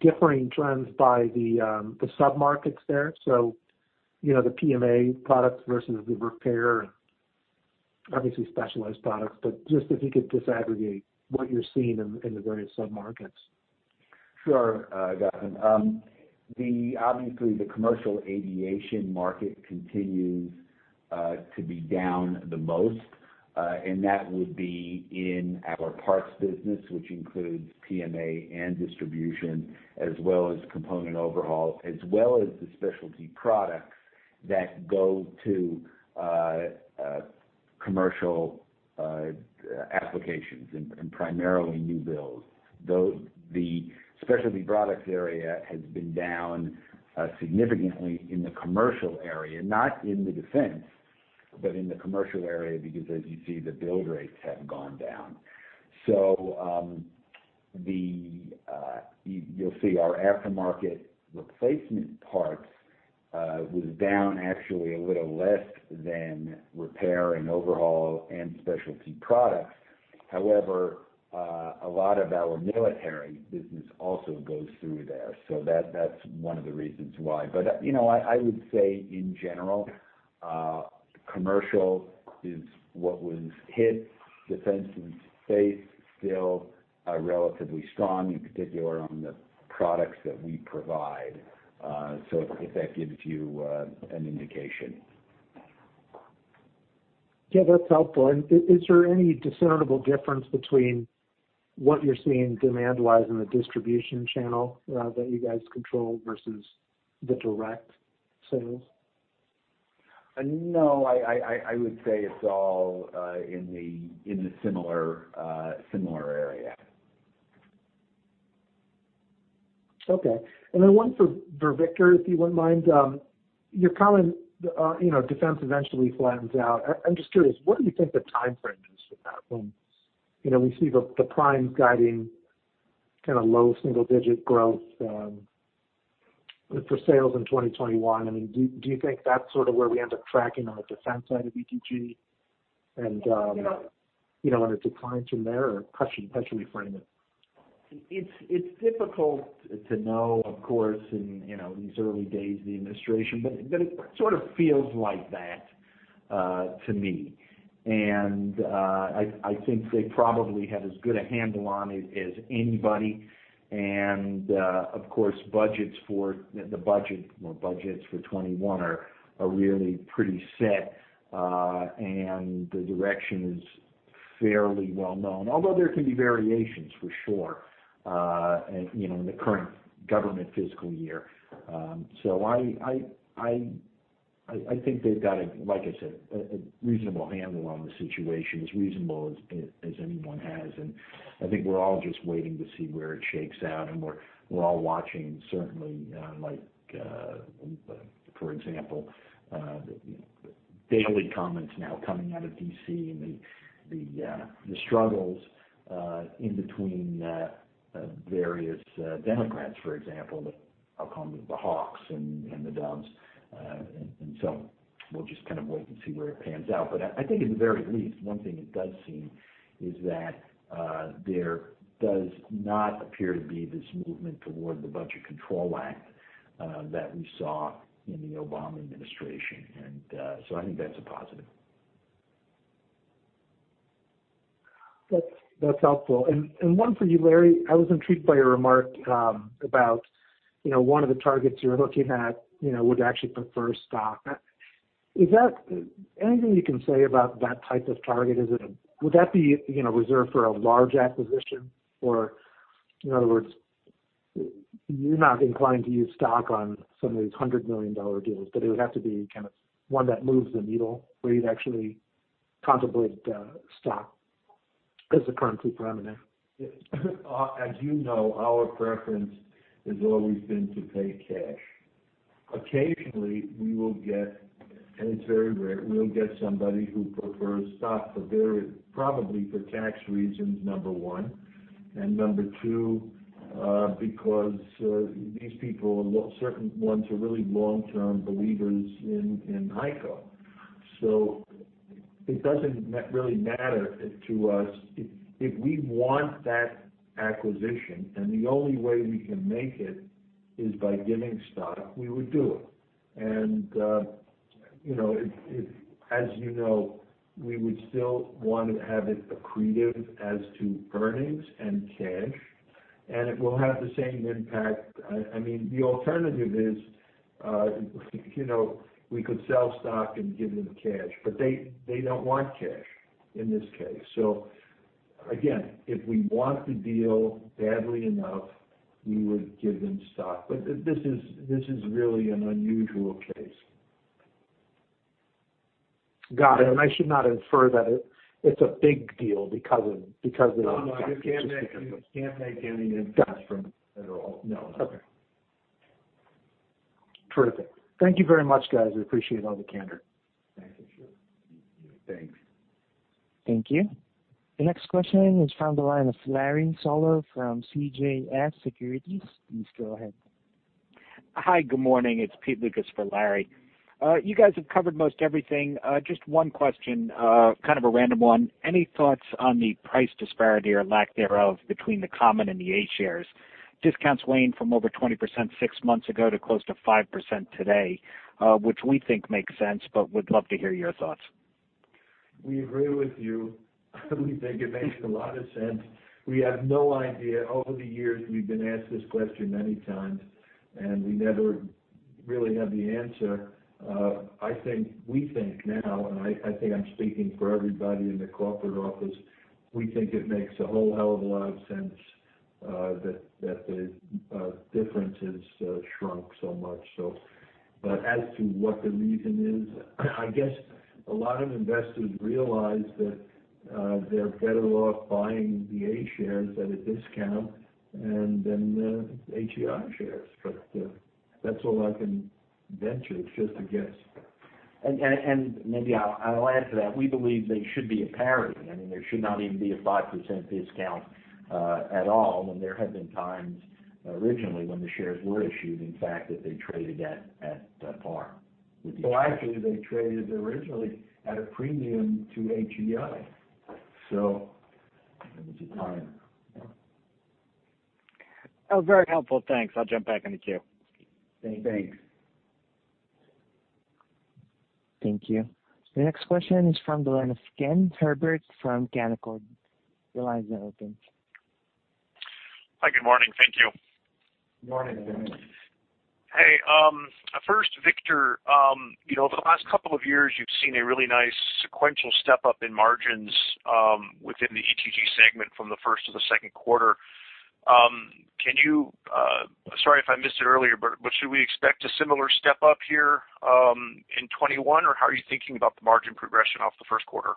differing trends by the sub-markets there, so the PMA products versus the repair and obviously specialized products, but just if you could disaggregate what you're seeing in the various sub-markets. Sure, Gautam. Obviously, the commercial aviation market continues to be down the most, and that would be in our parts business, which includes PMA and distribution, as well as component overhaul, as well as the specialty products that go to commercial applications and primarily new builds. The specialty products area has been down significantly in the commercial area, not in the defense. In the commercial area, because as you see, the build rates have gone down. You'll see our aftermarket replacement parts was down actually a little less than repair and overhaul and specialty products. However, a lot of our military business also goes through there. That's one of the reasons why. I would say in general, commercial is what was hit. Defense and space still are relatively strong, in particular on the products that we provide. If that gives you an indication. Yeah, that's helpful. Is there any discernible difference between what you're seeing demand-wise in the distribution channel that you guys control versus the direct sales? No, I would say it's all in a similar area. Okay. One for Victor, if you wouldn't mind. You're calling defense eventually flattens out. I'm just curious, what do you think the timeframe is for that? When we see the primes guiding kind of low single digit growth for sales in 2021. Do you think that's sort of where we end up tracking on the defense side of ETG and a decline from there? How should we frame it? It's difficult to know, of course, in these early days of the administration, but it sort of feels like that to me. I think they probably have as good a handle on it as anybody, and of course, budgets for 2021 are really pretty set. The direction is fairly well known, although there can be variations for sure in the current government fiscal year. I think they've got a, like I said, a reasonable handle on the situation, as reasonable as anyone has, and I think we're all just waiting to see where it shakes out, and we're all watching certainly, for example, the daily comments now coming out of D.C. and the struggles in between various Democrats, for example, I'll call them the hawks and the doves. We'll just kind of wait and see where it pans out. I think at the very least, one thing it does seem is that there does not appear to be this movement toward the Budget Control Act that we saw in the Obama administration. I think that's a positive. That's helpful. One for you, Larry. I was intrigued by your remark about one of the targets you're looking at would actually prefer stock. Anything you can say about that type of target? Would that be reserved for a large acquisition? In other words, you're not inclined to use stock on some of these $100 million deals, but it would have to be kind of one that moves the needle where you'd actually contemplate stock as the currency parameter. As you know, our preference has always been to pay cash. Occasionally, we will get, and it's very rare, we'll get somebody who prefers stock, probably for tax reasons, number one, and number two, because these people, certain ones, are really long-term believers in HEICO. It doesn't really matter to us. If we want that acquisition and the only way we can make it is by giving stock, we would do it. As you know, we would still want to have it accretive as to earnings and cash, and it will have the same impact. The alternative is we could sell stock and give them cash, but they don't want cash in this case. Again, if we want the deal badly enough, we would give them stock. This is really an unusual case. Got it. No, it can't make any difference from at all. No. Okay. Perfect. Thank you very much, guys. I appreciate all the candor. Thank you, sure. Thanks. Thank you. The next question is from the line of Lawrence Solow from CJS Securities. Please go ahead. Hi, good morning. It's Peter Lukas for Larry. You guys have covered most everything. Just one question, kind of a random one. Any thoughts on the price disparity or lack thereof between the common and the A shares? Discounts waned from over 20% six months ago to close to 5% today, which we think makes sense. Would love to hear your thoughts. We agree with you. We think it makes a lot of sense. We have no idea. Over the years, we've been asked this question many times. We never really have the answer. We think now, and I think I'm speaking for everybody in the corporate office, we think it makes a whole hell of a lot of sense that the difference has shrunk so much. As to what the reason is, I guess a lot of investors realize that they're better off buying the A shares at a discount and then the HEI shares. That's all I can venture. It's just a guess. Maybe I'll add to that. We believe they should be at parity. There should not even be a 5% discount at all, when there have been times originally when the shares were issued, in fact, that they traded at par with each other. Well, actually, they traded originally at a premium to HEI. That was a time. That was very helpful. Thanks. I'll jump back in the queue. Thanks. Thanks. Thank you. The next question is from the line of Ken Herbert from Canaccord. Your line is now open. Hi, good morning. Thank you. Good morning, Ken. Hey. First, Victor, over the last couple of years, you've seen a really nice sequential step-up in margins within the ETG segment from the first to the second quarter. Sorry if I missed it earlier, should we expect a similar step-up here in 2021? How are you thinking about the margin progression off the first quarter?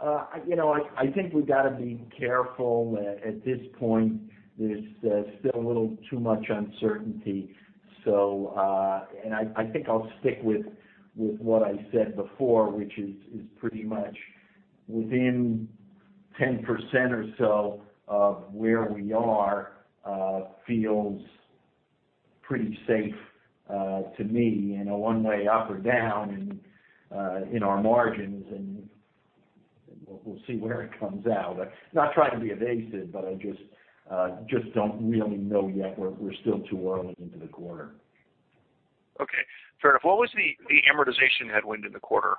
I think we've got to be careful. At this point, there's still a little too much uncertainty. I think I'll stick with what I said before, which is pretty much within 10% or so of where we are feels pretty safe to me in a one way up or down in our margins, and we'll see where it comes out. Not trying to be evasive, but I just don't really know yet. We're still too early into the quarter. Okay, fair enough. What was the amortization headwind in the quarter?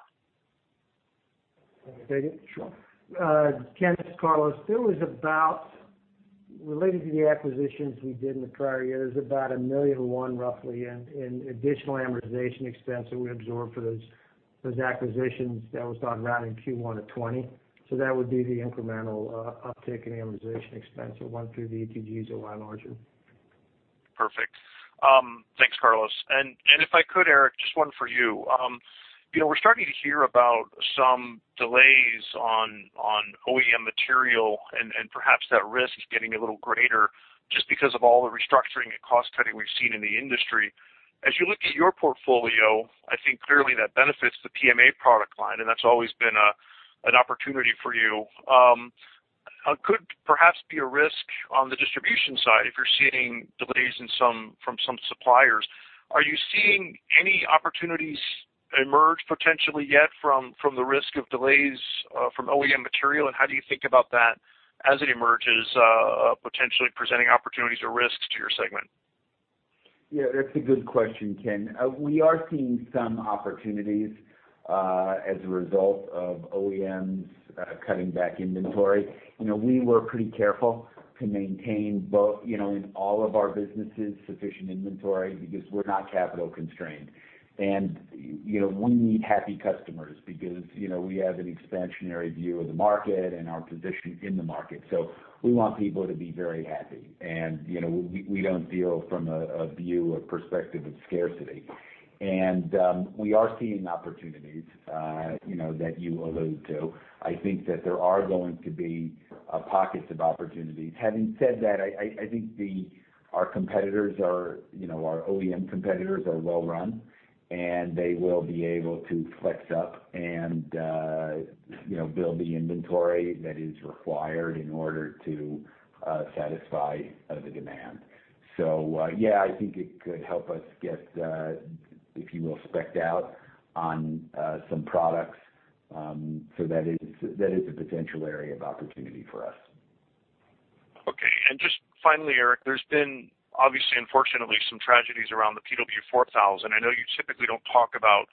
Can I take it? Sure. Ken, it's Carlos. Related to the acquisitions we did in the prior year, there's about $1 million roughly in additional amortization expense that we absorbed for those acquisitions that was not around in Q1 of 2020. That would be the incremental uptick in amortization expense of one through the ETGs are why larger. Perfect. Thanks, Carlos. If I could, Eric, just one for you. We're starting to hear about some delays on OEM material and perhaps that risk getting a little greater just because of all the restructuring and cost-cutting we've seen in the industry. As you look at your portfolio, I think clearly that benefits the PMA product line, and that's always been an opportunity for you. Could perhaps be a risk on the distribution side if you're seeing delays from some suppliers. Are you seeing any opportunities emerge potentially yet from the risk of delays from OEM material? How do you think about that as it emerges, potentially presenting opportunities or risks to your segment? Yeah, that's a good question, Ken. We are seeing some opportunities as a result of OEMs cutting back inventory. We were pretty careful to maintain both in all of our businesses, sufficient inventory, because we're not capital constrained. We need happy customers because we have an expansionary view of the market and our position in the market. We want people to be very happy. We don't deal from a view or perspective of scarcity. We are seeing opportunities that you allude to. I think that there are going to be pockets of opportunities. Having said that, I think our OEM competitors are well run, and they will be able to flex up and build the inventory that is required in order to satisfy the demand. Yeah, I think it could help us get, if you will, spec'd out on some products. That is a potential area of opportunity for us. Okay. Just finally, Eric, there's been obviously, unfortunately, some tragedies around the PW4000. I know you typically don't talk about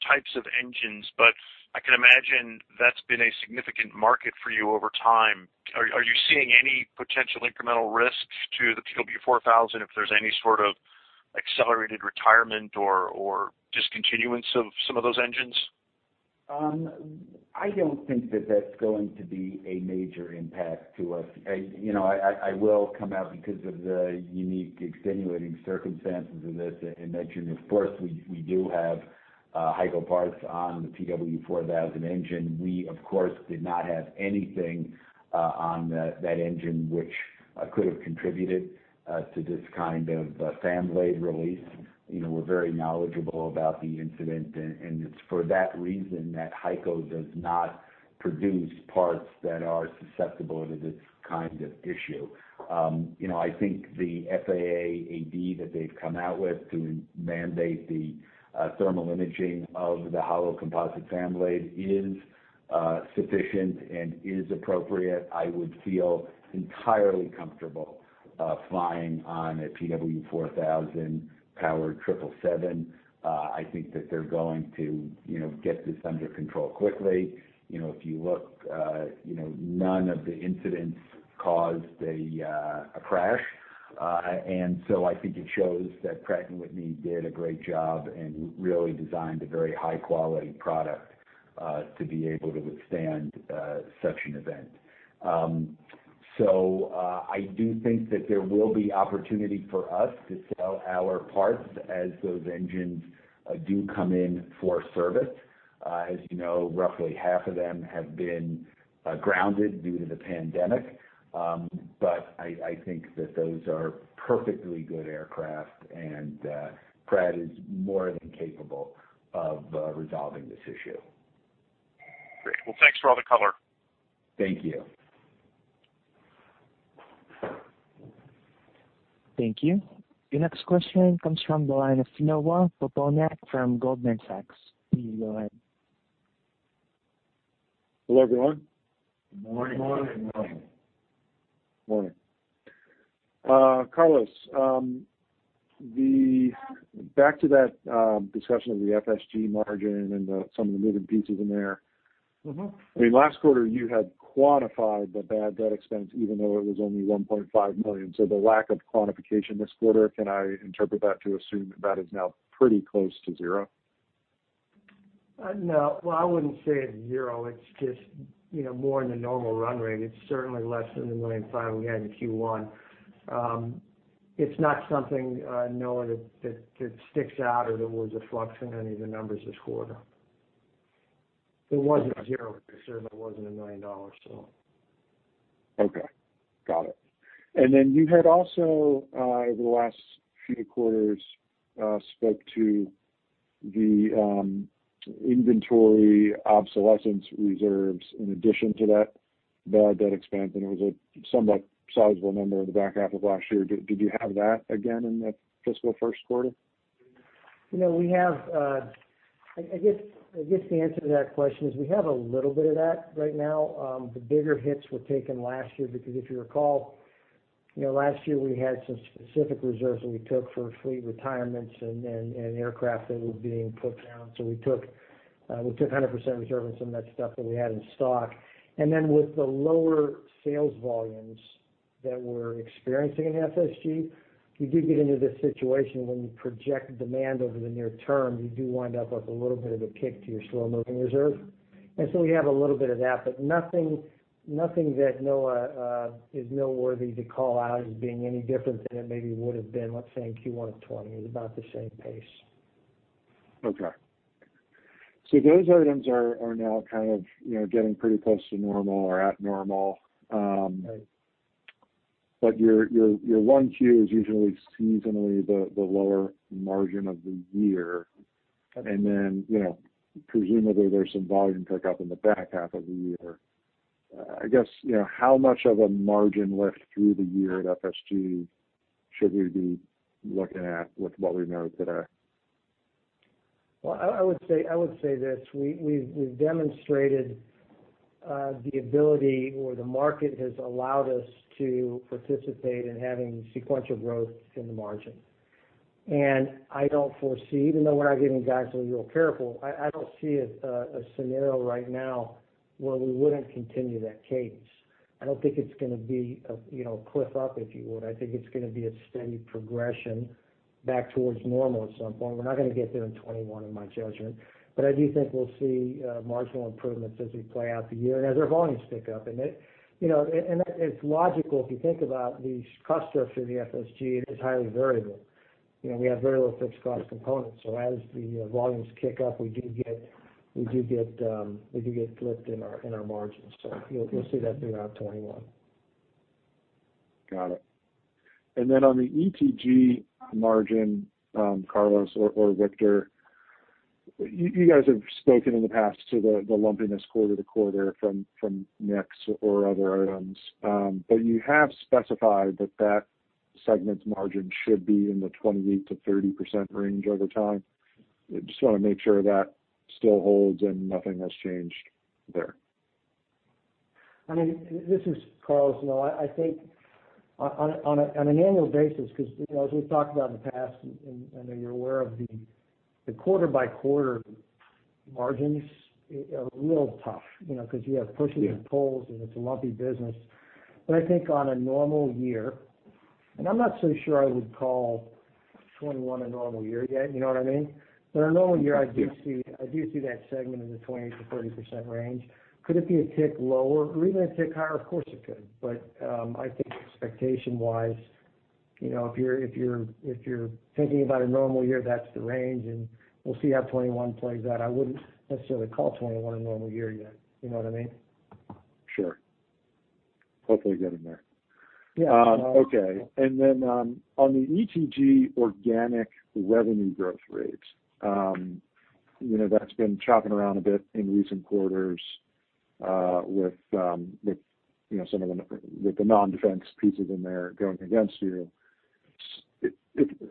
types of engines, but I can imagine that's been a significant market for you over time. Are you seeing any potential incremental risk to the PW4000 if there's any sort of accelerated retirement or discontinuance of some of those engines? I don't think that that's going to be a major impact to us. I will come out because of the unique extenuating circumstances of this and mention, of course, we do have HEICO parts on the PW4000 engine. We, of course, did not have anything on that engine which could have contributed to this kind of fan blade release. We're very knowledgeable about the incident, and it's for that reason that HEICO does not produce parts that are susceptible to this kind of issue. I think the FAA AD that they've come out with to mandate the thermal imaging of the hollow composite fan blade is sufficient and is appropriate. I would feel entirely comfortable flying on a PW4000 powered 777. I think that they're going to get this under control quickly. If you look, none of the incidents caused a crash. I think it shows that Pratt & Whitney did a great job and really designed a very high-quality product to be able to withstand such an event. I do think that there will be opportunity for us to sell our parts as those engines do come in for service. As you know, roughly half of them have been grounded due to the pandemic. I think that those are perfectly good aircraft, and Pratt is more than capable of resolving this issue. Great. Well, thanks for all the color. Thank you. Thank you. Your next question comes from the line of Noah Poponak from Goldman Sachs. Please go ahead. Hello, everyone. Morning. Morning. Carlos, back to that discussion of the FSG margin and some of the moving pieces in there. Last quarter, you had quantified the bad debt expense, even though it was only $1.5 million. The lack of quantification this quarter, can I interpret that to assume that is now pretty close to zero? No. Well, I wouldn't say it's zero. It's just more in the normal run rate. It's certainly less than the $1.5 million we had in Q1. It's not something, Noah, that sticks out or there was a flux in any of the numbers this quarter. It wasn't zero, but it certainly wasn't $1 million. Okay. Got it. You had also, over the last few quarters, spoke to the inventory obsolescence reserves in addition to that bad debt expense, and it was a somewhat sizable number in the back half of last year. Did you have that again in the fiscal first quarter? I guess the answer to that question is we have a little bit of that right now. The bigger hits were taken last year because if you recall, last year we had some specific reserves that we took for fleet retirements and aircraft that were being put down. We took 100% reserve on some of that stuff that we had in stock. With the lower sales volumes that we're experiencing in FSG, you do get into this situation when you project demand over the near term, you do wind up with a little bit of a kick to your slow-moving reserve. We have a little bit of that, but nothing that is noteworthy to call out as being any different than it maybe would've been, let's say, in Q1 of 2020. It was about the same pace. Okay. Those items are now kind of getting pretty close to normal or at normal. Right. Your one Q is usually seasonally the lower margin of the year. Okay. Presumably, there's some volume pickup in the back half of the year. I guess, how much of a margin lift through the year at FSG should we be looking at with what we know today? Well, I would say this, we've demonstrated the ability, or the market has allowed us to participate in having sequential growth in the margin. I don't foresee, even though we're not giving guidance, so we're real careful, I don't see a scenario right now where we wouldn't continue that cadence. I don't think it's going to be a cliff up, if you would. I think it's going to be a steady progression back towards normal at some point. We're not going to get there in 2021 in my judgment. I do think we'll see marginal improvements as we play out the year and as our volumes pick up. It's logical if you think about the cost structure of the FSG, it is highly variable. We have very little fixed cost components. As the volumes kick up, we do get lift in our margins. You'll see that throughout 2021. Got it. On the ETG margin, Carlos or Victor, you guys have spoken in the past to the lumpiness quarter-to-quarter from mix or other items. You have specified that that segment margin should be in the 28%-30% range over time. I just want to make sure that still holds and nothing has changed there. This is Carlos. Noah, I think on an annual basis, because as we've talked about in the past, and I know you're aware of the quarter-by-quarter margins are a little tough, because you have pushes and pulls, and it's a lumpy business. I think on a normal year, and I'm not so sure I would call 2021 a normal year yet, you know what I mean? A normal year, I do see that segment in the 20%-30% range. Could it be a tick lower or even a tick higher? Of course it could. I think expectation-wise, if you're thinking about a normal year, that's the range, and we'll see how 2021 plays out. I wouldn't necessarily call 2021 a normal year yet. You know what I mean? Sure. Hopefully get in there. Yeah. Okay. On the ETG organic revenue growth rate, that's been chopping around a bit in recent quarters with the non-defense pieces in there going against you.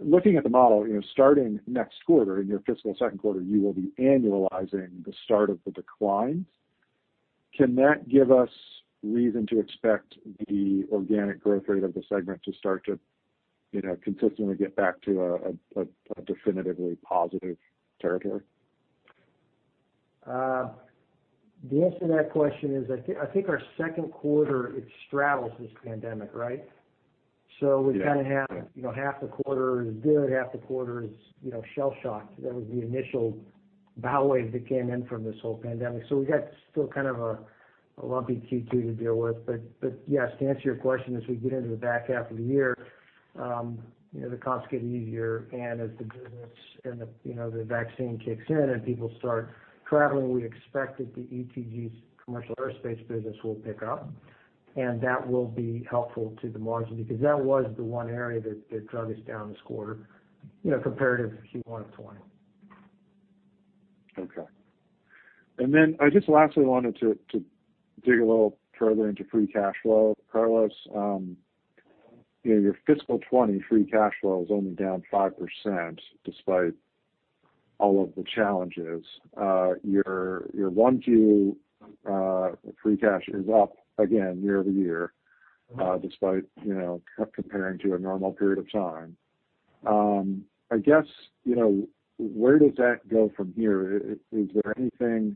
Looking at the model, starting next quarter, in your fiscal second quarter, you will be annualizing the start of the decline. Can that give us reason to expect the organic growth rate of the segment to start to consistently get back to a definitively positive territory? The answer to that question is, I think our second quarter, it straddles this pandemic, right? Yeah. We kind of have half the quarter is good, half the quarter is shell-shocked. Bow wave that came in from this whole pandemic. We got still kind of a lumpy Q2 to deal with. Yes, to answer your question, as we get into the back half of the year, the comps get easier, and as the business and the vaccine kicks in and people start traveling, we expect that the ETG's commercial aerospace business will pick up, and that will be helpful to the margin, because that was the one area that drug us down this quarter, comparative to Q1 of 2020. Okay. I just lastly wanted to dig a little further into free cash flow. Carlos, your fiscal 2020 free cash flow is only down 5%, despite all of the challenges. Your 1Q free cash is up again year-over-year, despite comparing to a normal period of time. I guess, where does that go from here? Is there anything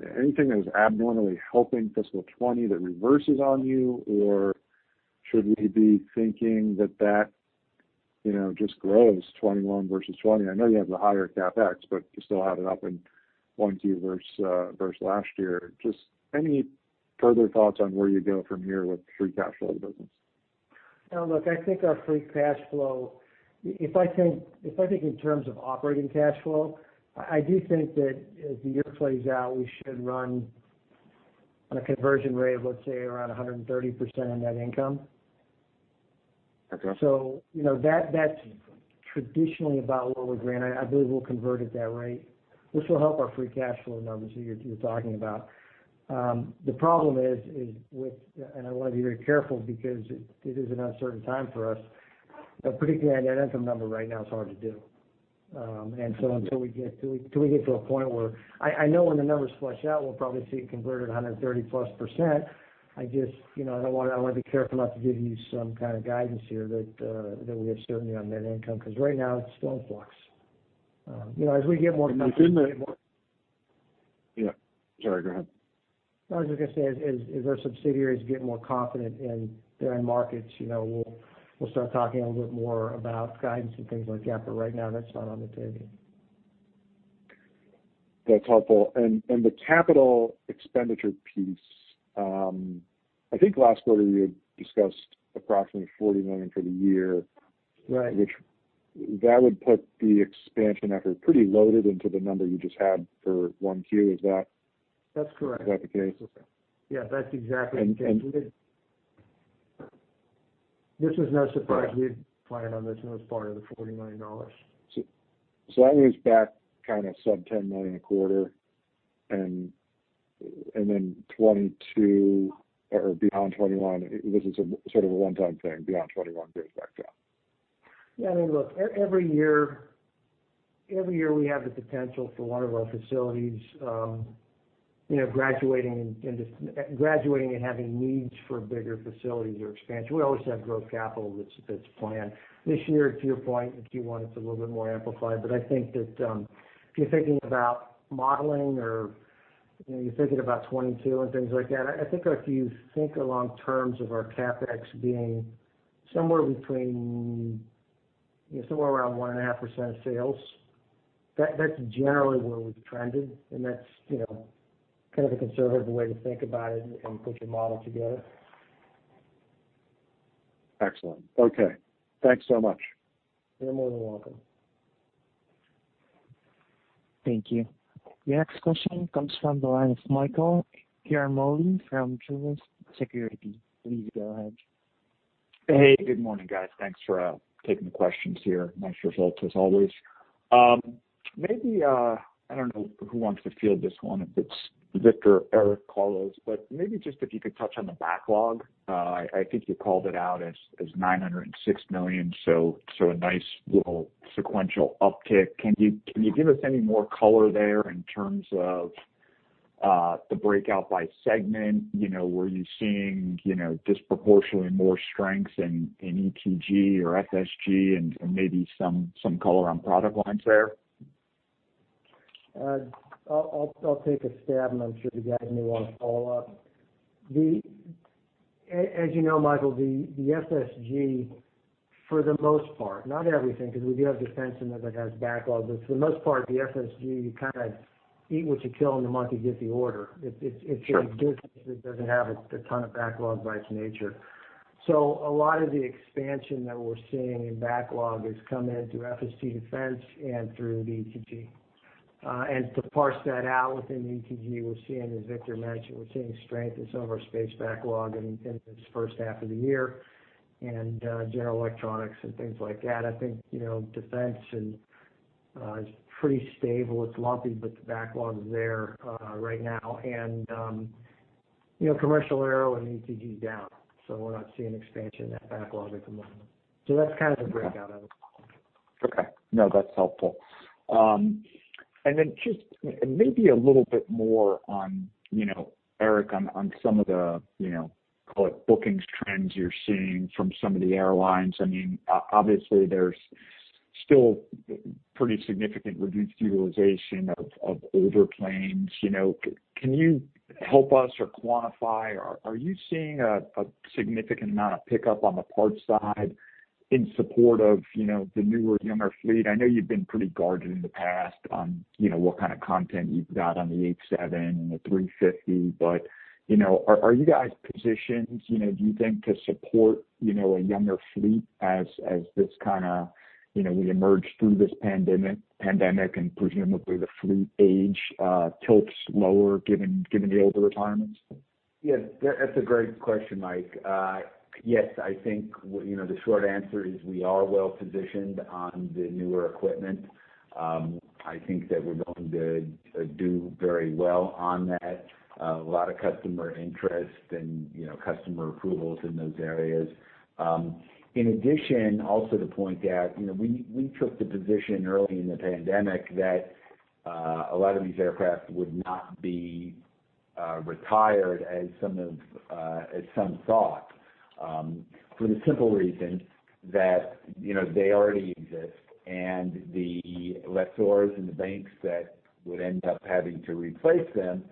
that is abnormally helping fiscal 2020 that reverses on you, or should we be thinking that just grows 2021 versus 2020? I know you have the higher CapEx, but you still have it up in 1Q versus last year. Just any further thoughts on where you go from here with free cash flow of the business? I think our free cash flow, if I think in terms of operating cash flow, I do think that as the year plays out, we should run on a conversion rate of, let's say, around 130% on net income. Okay. That's traditionally about where we ran. I believe we'll convert at that rate, which will help our free cash flow numbers that you're talking about. The problem is with, and I want to be very careful because it is an uncertain time for us, but predicting a net income number right now is hard to do. Okay. Until we get to a point. I know when the numbers flush out, we'll probably see it converted 130%+. I want to be careful not to give you some kind of guidance here that we have certainty on net income, because right now it's still in flux. Yeah. Sorry, go ahead. I was just going to say, as our subsidiaries get more confident in their own markets, we'll start talking a little bit more about guidance and things like that, but right now that's not on the table. That's helpful. The capital expenditure piece, I think last quarter you had discussed approximately $40 million for the year. Right. Which that would put the expansion effort pretty loaded into the number you just had for 1Q. Is that. That's correct. Is that the case? Okay. Yeah, that's exactly the case. We did. This was no surprise. We had planned on this and it was part of the $40 million. That moves back kind of sub $10 million a quarter, 2022 or beyond 2021, this is sort of a one-time thing. Beyond 2021, it goes back down. Yeah. Look, every year we have the potential for one of our facilities graduating and having needs for bigger facilities or expansion. We always have growth capital that's planned. This year, to your point, in Q1, it's a little bit more amplified, I think that if you're thinking about modeling or you're thinking about 2022 and things like that, I think if you think along terms of our CapEx being somewhere around 1.5% of sales, that's generally where we've trended, and that's kind of a conservative way to think about it and put your model together. Excellent. Okay. Thanks so much. You're more than welcome. Thank you. Your next question comes from the line of Michael Ciarmoli from Truist Securities. Please go ahead. Hey, good morning, guys. Thanks for taking the questions here. Nice results, as always. Maybe, I don't know who wants to field this one, if it's Victor, Eric, Carlos, but maybe just if you could touch on the backlog. I think you called it out as $906 million, so a nice little sequential uptick. Can you give us any more color there in terms of the breakout by segment? Were you seeing disproportionately more strength in ETG or FSG, and maybe some color on product lines there? I'll take a stab, and I'm sure the guys may want to follow up. As you know, Michael, the FSG, for the most part, not everything, because we do have Defense in there that has backlog, but for the most part, the FSG, you kind of eat what you kill, and the month you get the order. Sure. It's a business that doesn't have a ton of backlog by its nature. A lot of the expansion that we're seeing in backlog is coming in through FSG Defense and through the ETG. To parse that out within ETG, we're seeing, as Victor mentioned, we're seeing strength in some of our space backlog in this first half of the year, and general electronics and things like that. I think Defense is pretty stable. It's lumpy, but the backlog is there right now. Commercial aero and ETG is down, so we're not seeing expansion in that backlog at the moment. That's kind of the breakout of it. Okay. No, that's helpful. Just maybe a little bit more on, Eric, on some of the, call it, bookings trends you're seeing from some of the airlines. Obviously there's still pretty significant reduced utilization of older planes. Can you help us or quantify, are you seeing a significant amount of pickup on the parts side in support of the newer, younger fleet? I know you've been pretty guarded in the past on what kind of content you've got on the A320neo and the A350, are you guys positioned, do you think, to support a younger fleet as we emerge through this pandemic, and presumably the fleet age tilts lower given the older retirements? Yes. That's a great question, Mike. Yes, I think, the short answer is we are well positioned on the newer equipment. I think that we're going to do very well on that. A lot of customer interest and customer approvals in those areas. In addition, also to point out, we took the position early in the pandemic that a lot of these aircraft would not be retired as some thought. For the simple reason that they already exist, the lessors and the banks that would end up having to replace them,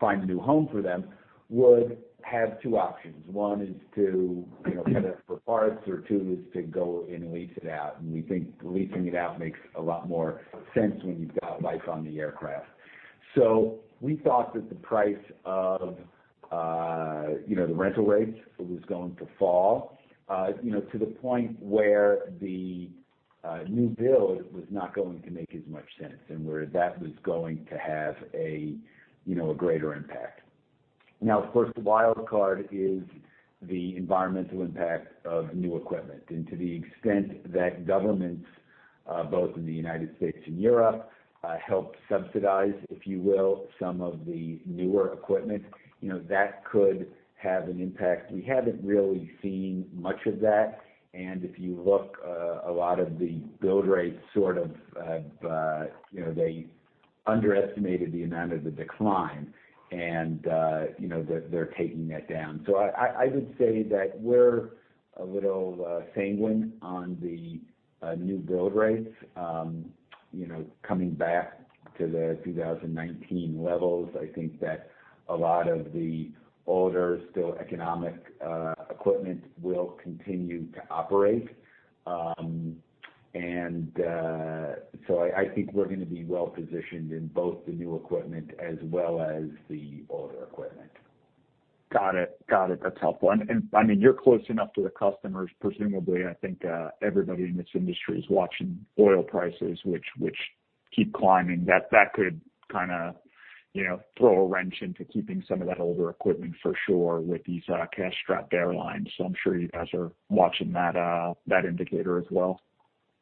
find a new home for them, would have two options. One is to cut it for parts, or two is to go and lease it out. We think leasing it out makes a lot more sense when you've got life on the aircraft. We thought that the price of the rental rates was going to fall to the point where the new build was not going to make as much sense, and where that was going to have a greater impact. Now, of course, the wild card is the environmental impact of new equipment. To the extent that governments, both in the United States and Europe, help subsidize, if you will, some of the newer equipment, that could have an impact. We haven't really seen much of that, and if you look, a lot of the build rates sort of, they underestimated the amount of the decline, and they're taking that down. I would say that we're a little sanguine on the new build rates coming back to the 2019 levels. I think that a lot of the older, still economic equipment will continue to operate. I think we're going to be well-positioned in both the new equipment as well as the older equipment. Got it. A tough one. You're close enough to the customers, presumably. I think everybody in this industry is watching oil prices, which keep climbing. That could kind of throw a wrench into keeping some of that older equipment for sure with these cash-strapped airlines. I'm sure you guys are watching that indicator as well.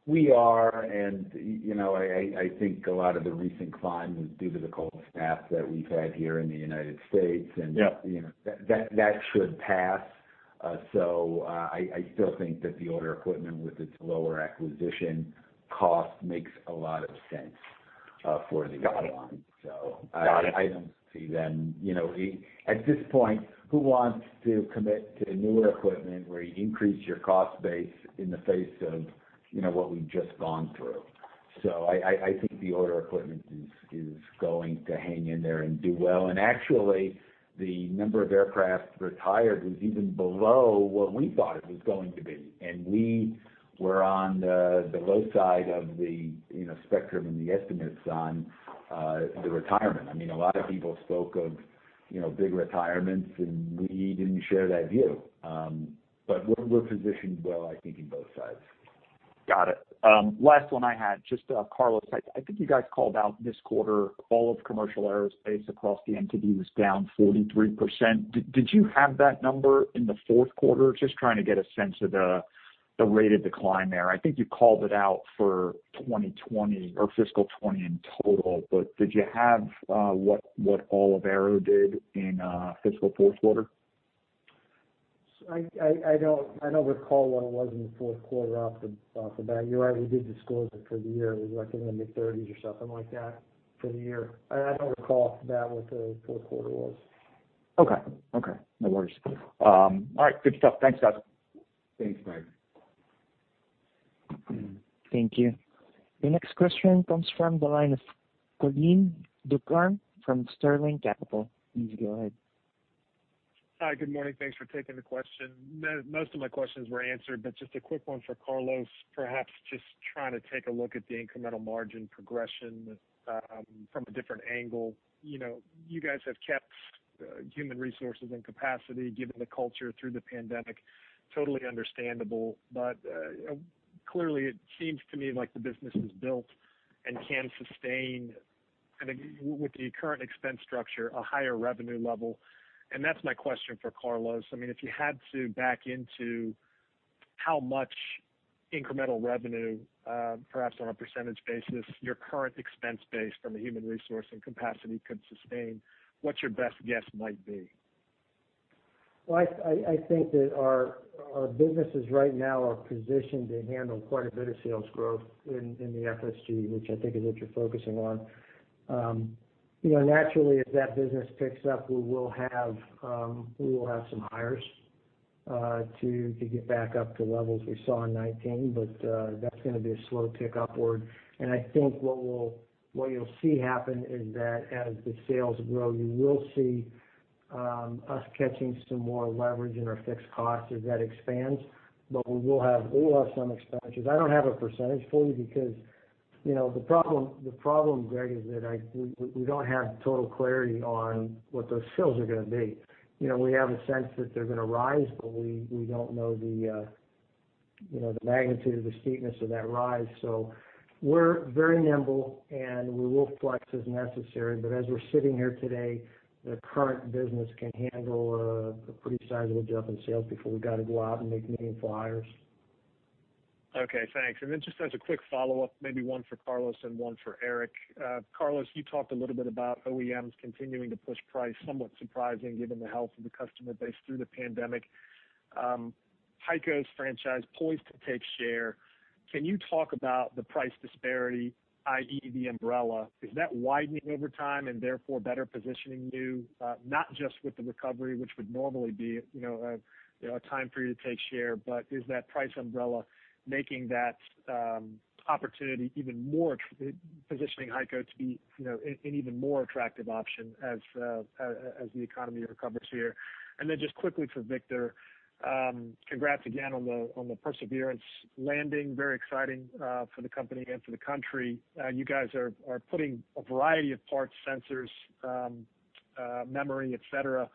We are, and I think a lot of the recent climb was due to the cold snap that we've had here in the U.S. Yeah that should pass. I still think that the older equipment with its lower acquisition cost makes a lot of sense for the airlines. Got it. At this point, who wants to commit to newer equipment where you increase your cost base in the face of what we've just gone through? I think the older equipment is going to hang in there and do well. Actually, the number of aircraft retired was even below what we thought it was going to be, and we were on the low side of the spectrum and the estimates on the retirement. A lot of people spoke of big retirements, and we didn't share that view. We're positioned well, I think, in both sides. Got it. Last one I had, just Carlos, I think you guys called out this quarter, all of commercial aerospace across the entity was down 43%. Did you have that number in the fourth quarter? Just trying to get a sense of the rate of decline there. I think you called it out for 2020 or fiscal 2020 in total, did you have what all of Aero did in fiscal fourth quarter? I don't recall what it was in the fourth quarter off the bat. You're right, we did disclose it for the year. It was, I think, in the mid-30% or something like that for the year. I don't recall off the bat what the fourth quarter was. Okay. No worries. All right, good stuff. Thanks, guys. Thanks, Mike. Thank you. The next question comes from the line of Colleen Ducharme from Sterling Capital. Please go ahead. Hi, good morning. Thanks for taking the question. Most of my questions were answered. Just a quick one for Carlos, perhaps just trying to take a look at the incremental margin progression from a different angle. You guys have kept human resources and capacity, given the culture through the pandemic, totally understandable. Clearly, it seems to me like the business is built and can sustain, with the current expense structure, a higher revenue level, and that's my question for Carlos. If you had to back into how much incremental revenue, perhaps on a percentage basis, your current expense base from a human resource and capacity could sustain, what's your best guess might be? Well, I think that our businesses right now are positioned to handle quite a bit of sales growth in the FSG, which I think is what you're focusing on. Naturally, as that business picks up, we will have some hires to get back up to levels we saw in 2019. That's going to be a slow tick upward. I think what you'll see happen is that as the sales grow, you will see us catching some more leverage in our fixed costs as that expands. We will have some expenditures. I don't have a percentage for you because the problem, Greg, is that we don't have total clarity on what those sales are going to be. We have a sense that they're going to rise, but we don't know the magnitude or the steepness of that rise. We're very nimble, and we will flex as necessary. As we're sitting here today, the current business can handle a pretty sizable jump in sales before we've got to go out and make many hires. Okay, thanks. Then just as a quick follow-up, maybe one for Carlos and one for Eric. Carlos, you talked a little bit about OEMs continuing to push price, somewhat surprising given the health of the customer base through the pandemic. HEICO's franchise poised to take share. Can you talk about the price disparity, i.e., the umbrella? Is that widening over time and therefore better positioning you not just with the recovery, which would normally be a time for you to take share, but is that price umbrella making that opportunity even more, positioning HEICO to be an even more attractive option as the economy recovers here? Then just quickly for Victor, congrats again on the Perseverance landing. Very exciting for the company and for the country. You guys are putting a variety of parts, sensors, memory, et cetera,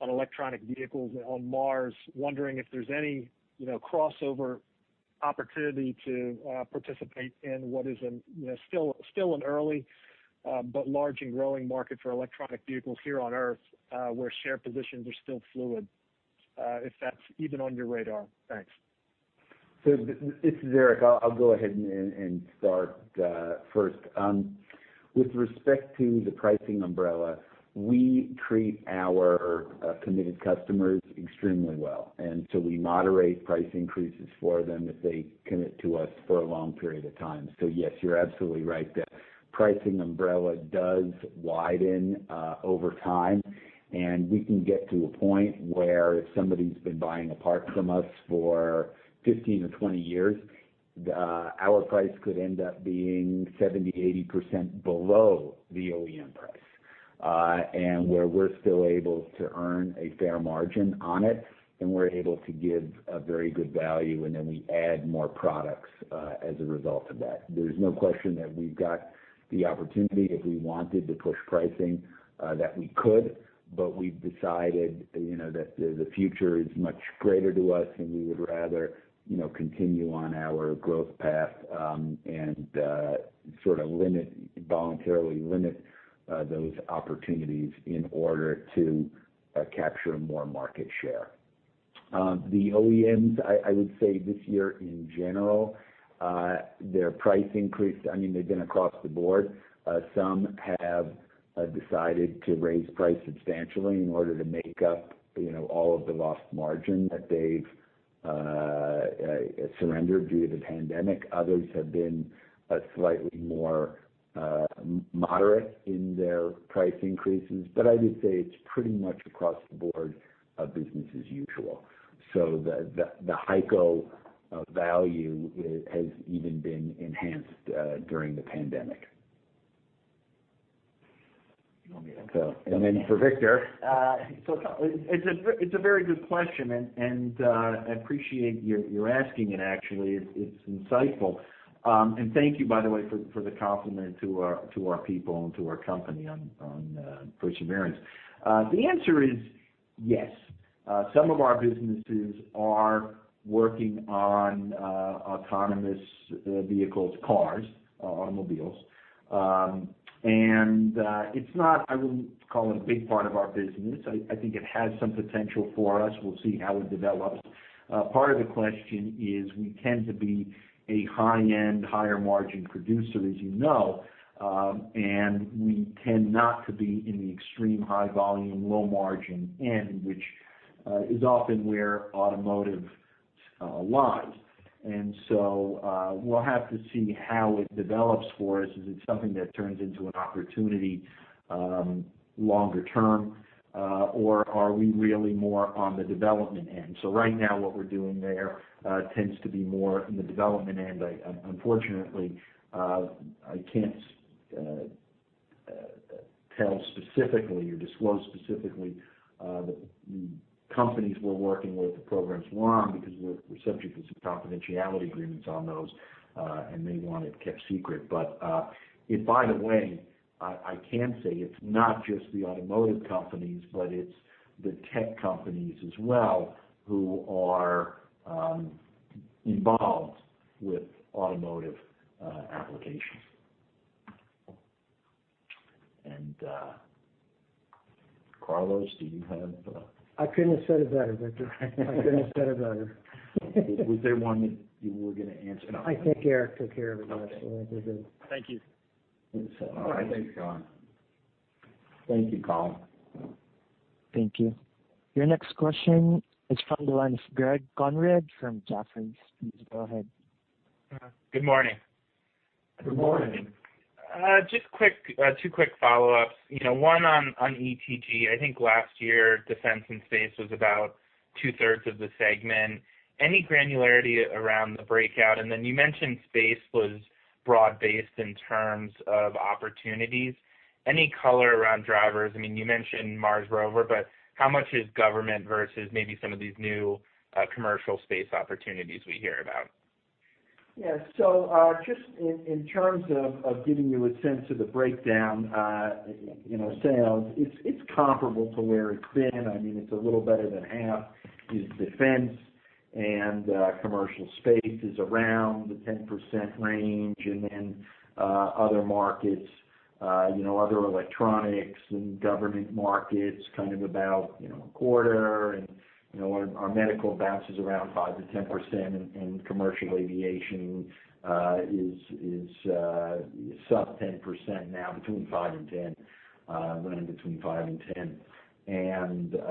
on electronic vehicles on Mars. Wondering if there's any crossover opportunity to participate in what is still an early but large and growing market for electronic vehicles here on Earth, where share positions are still fluid, if that's even on your radar. Thanks. This is Eric. I'll go ahead and start first. With respect to the pricing umbrella, we treat our committed customers extremely well, we moderate price increases for them if they commit to us for a long period of time. Yes, you're absolutely right. The pricing umbrella does widen over time, and we can get to a point where if somebody's been buying a part from us for 15-20 years, our price could end up being 70%, 80% below the OEM price. Where we're still able to earn a fair margin on it, and we're able to give a very good value, and then we add more products as a result of that. There's no question that we've got the opportunity, if we wanted to push pricing, that we could, but we've decided that the future is much greater to us, and we would rather continue on our growth path and sort of voluntarily limit those opportunities in order to capture more market share. The OEMs, I would say this year in general, their price increase, they've been across the board. Some have decided to raise price substantially in order to make up all of the lost margin that they've surrendered due to the pandemic. Others have been slightly more moderate in their price increases. I would say it's pretty much across the board business as usual. The HEICO value has even been enhanced during the pandemic. You want me to answer? For Victor. It's a very good question, and I appreciate you are asking it, actually. It's insightful. Thank you, by the way, for the compliment to our people and to our company on Perseverance. The answer is yes. Some of our businesses are working on autonomous vehicles, cars, automobiles. I wouldn't call it a big part of our business. I think it has some potential for us. We'll see how it develops. Part of the question is we tend to be a high-end, higher margin producer, as you know, and we tend not to be in the extreme high volume, low margin end, which is often where automotive lies. We'll have to see how it develops for us. Is it something that turns into an opportunity longer term, or are we really more on the development end? Right now what we're doing there tends to be more in the development end. Unfortunately, I can't tell specifically or disclose specifically the companies we're working with, the programs we're on, because we're subject to some confidentiality agreements on those, and they want it kept secret. By the way, I can say it's not just the automotive companies, but it's the tech companies as well who are involved with automotive applications. Carlos, do you have? I couldn't have said it better, Victor. I couldn't have said it better. Was there one that you were going to answer? I think Eric took care of it. Okay. Thank you. I think so. All right. Thanks, Colleen. Thank you, Colleen Thank you. Your next question is from the line of Greg Konrad from Jefferies. Please go ahead. Good morning. Good morning. Just two quick follow-ups. One on ETG. I think last year, defense and space was about two-thirds of the segment. Any granularity around the breakout? You mentioned space was broad-based in terms of opportunities. Any color around drivers? You mentioned Mars Rover, how much is government versus maybe some of these new commercial space opportunities we hear about? Yeah. Just in terms of giving you a sense of the breakdown, in our sales, it's comparable to where it's been. It's a little better than half is defense, and commercial space is around the 10% range. Other markets, other electronics and government markets, kind of about a quarter. Our medical bounces around 5%-10%, and commercial aviation is sub 10% now, between 5% and 10%. Running between 5% and 10%.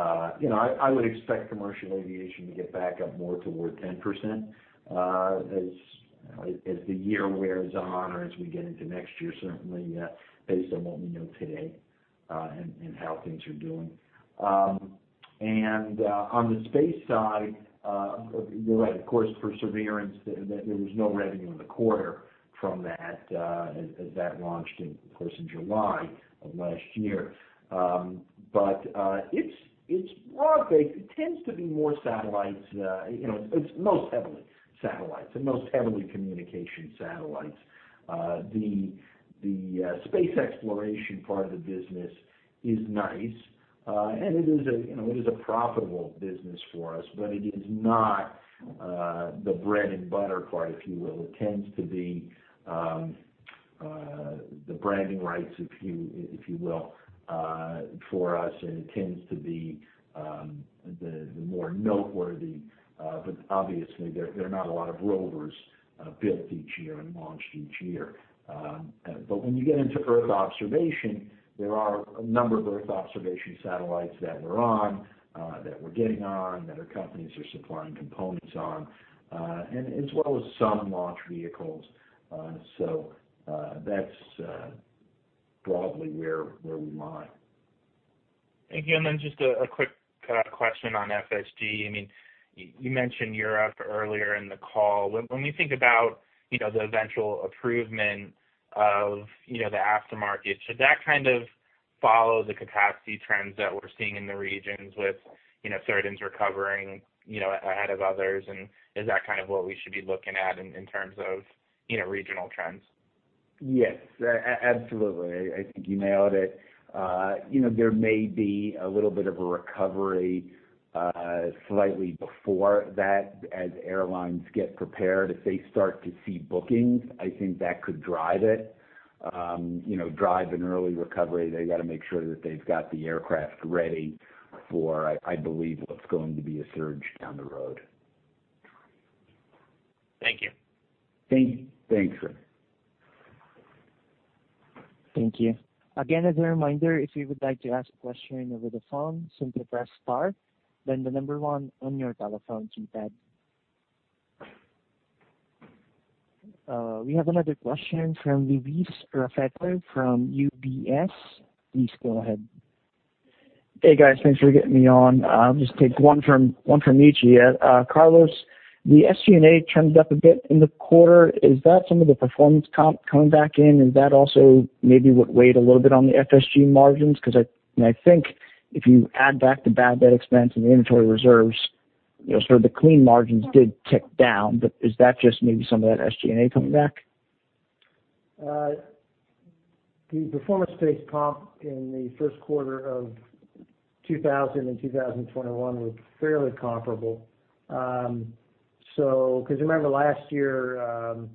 I would expect commercial aviation to get back up more toward 10% as the year wears on or as we get into next year, certainly, based on what we know today, and how things are doing. On the space side, you're right. Of course, Perseverance, there was no revenue in the quarter from that, as that launched, of course, in July of last year. It's broad-based. It tends to be more satellites. It's most heavily satellites, and most heavily communication satellites. The space exploration part of the business is nice. It is a profitable business for us, but it is not the bread and butter part, if you will. It tends to be the bragging rights, if you will, for us, and it tends to be the more noteworthy. Obviously, there are not a lot of rovers built each year and launched each year. When you get into Earth observation, there are a number of Earth observation satellites that we're on, that we're getting on, that our companies are supplying components on, and as well as some launch vehicles. That's broadly where we lie. Thank you. Just a quick question on FSG. You mentioned Europe earlier in the call. When we think about the eventual improvement of the aftermarket, should that kind of follow the capacity trends that we're seeing in the regions with certain recovering ahead of others, and is that kind of what we should be looking at in terms of regional trends? Yes. Absolutely. I think you nailed it. There may be a little bit of a recovery slightly before that as airlines get prepared. If they start to see bookings, I think that could drive it, drive an early recovery. They got to make sure that they've got the aircraft ready for, I believe, what's going to be a surge down the road. Thank you. Thanks, Greg. Thank you. We have another question from Louis Raffetto from UBS. Please go ahead. Hey, guys. Thanks for getting me on. I'll just take one from each of you. Carlos, the SG&A trends up a bit in the quarter. Is that some of the performance comp coming back in? Is that also maybe what weighed a little bit on the FSG margins? I think if you add back the bad debt expense and the inventory reserves, sort of the clean margins did tick down, but is that just maybe some of that SG&A coming back? The performance-based comp in the first quarter of 2020 and 2021 was fairly comparable. Remember last year,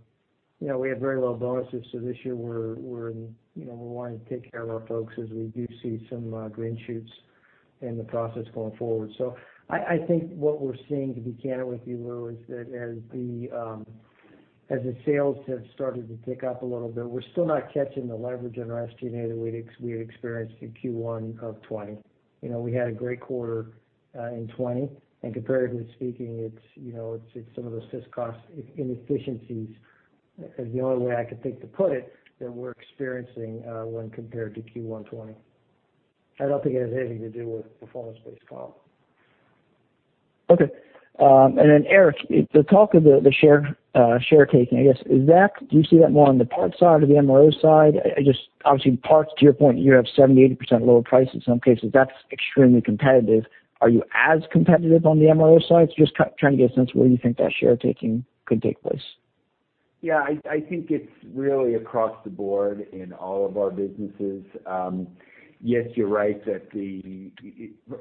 we had very low bonuses, so this year we're wanting to take care of our folks as we do see some green shoots in the process going forward. I think what we're seeing, to be candid with you, Lou, is that as the sales have started to pick up a little bit, we're still not catching the leverage on our SG&A that we had experienced in Q1 of 2020. We had a great quarter in 2020, and comparatively speaking, it's some of the sys-cost inefficiencies, is the only way I could think to put it, that we're experiencing when compared to Q1 2020. I don't think it has anything to do with performance-based comp. Okay. Eric, the talk of the share taking, I guess, do you see that more on the parts side or the MRO side? Obviously, parts, to your point, you have 70%, 80% lower price in some cases. That's extremely competitive. Are you as competitive on the MRO side? Just trying to get a sense of where you think that share taking could take place. Yeah, I think it's really across the board in all of our businesses. Yes, you're right that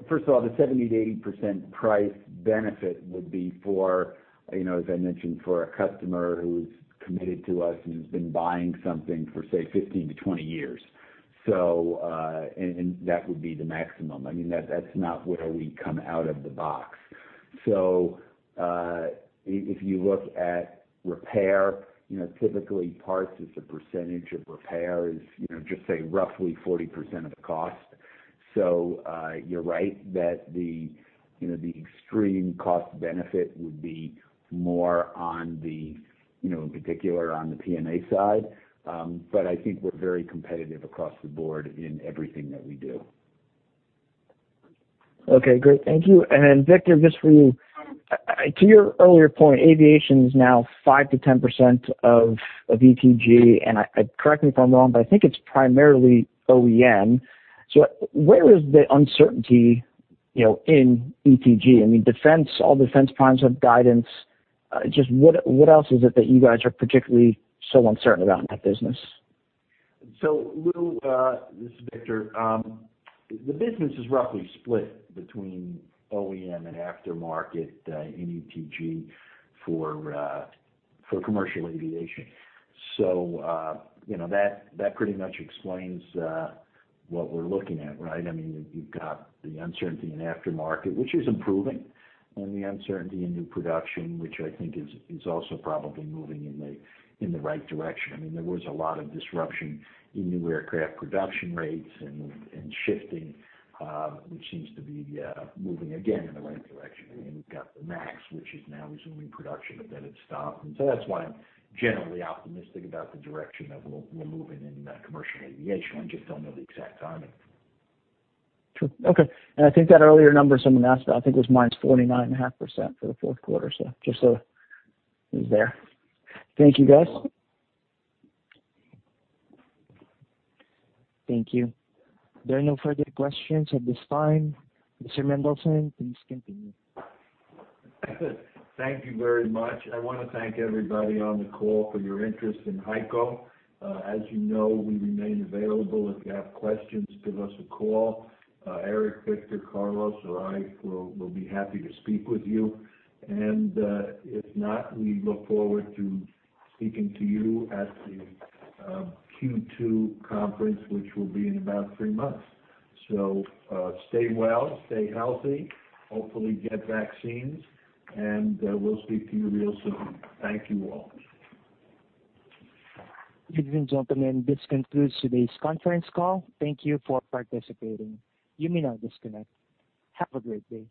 First of all, the 70%-80% price benefit would be for, as I mentioned, for a customer who's committed to us and who's been buying something for, say, 15-20 years. That would be the maximum. That's not where we come out of the box. If you look at repair, typically parts as a percentage of repair is, just say roughly 40% of the cost. You're right that the extreme cost benefit would be more in particular on the PMA side. I think we're very competitive across the board in everything that we do. Okay, great. Thank you. Victor, this is for you. To your earlier point, aviation is now 5%-10% of ETG, and correct me if I'm wrong, but I think it's primarily OEM. Where is the uncertainty in ETG? Defense, all defense primes have guidance. Just what else is it that you guys are particularly so uncertain about in that business? Lou, this is Victor. The business is roughly split between OEM and aftermarket in ETG for commercial aviation. That pretty much explains what we're looking at, right? You've got the uncertainty in aftermarket, which is improving, and the uncertainty in new production, which I think is also probably moving in the right direction. There was a lot of disruption in new aircraft production rates and shifting, which seems to be moving again in the right direction. We've got the MAX, which is now resuming production, but then it stopped. That's why I'm generally optimistic about the direction that we're moving in commercial aviation. I just don't know the exact timing. True. Okay. I think that earlier numbers on the MAX, I think it was -49.5% for the fourth quarter. Just so it was there. Thank you, guys. Thank you. There are no further questions at this time. Mr. Mendelson, please continue. Thank you very much. I want to thank everybody on the call for your interest in HEICO. As you know, we remain available. If you have questions, give us a call. Eric, Victor, Carlos, or I will be happy to speak with you. If not, we look forward to speaking to you at the Q2 conference, which will be in about three months. Stay well, stay healthy, hopefully get vaccines, and we'll speak to you real soon. Thank you all. Ladies and gentlemen, this concludes today's conference call. Thank you for participating. You may now disconnect. Have a great day.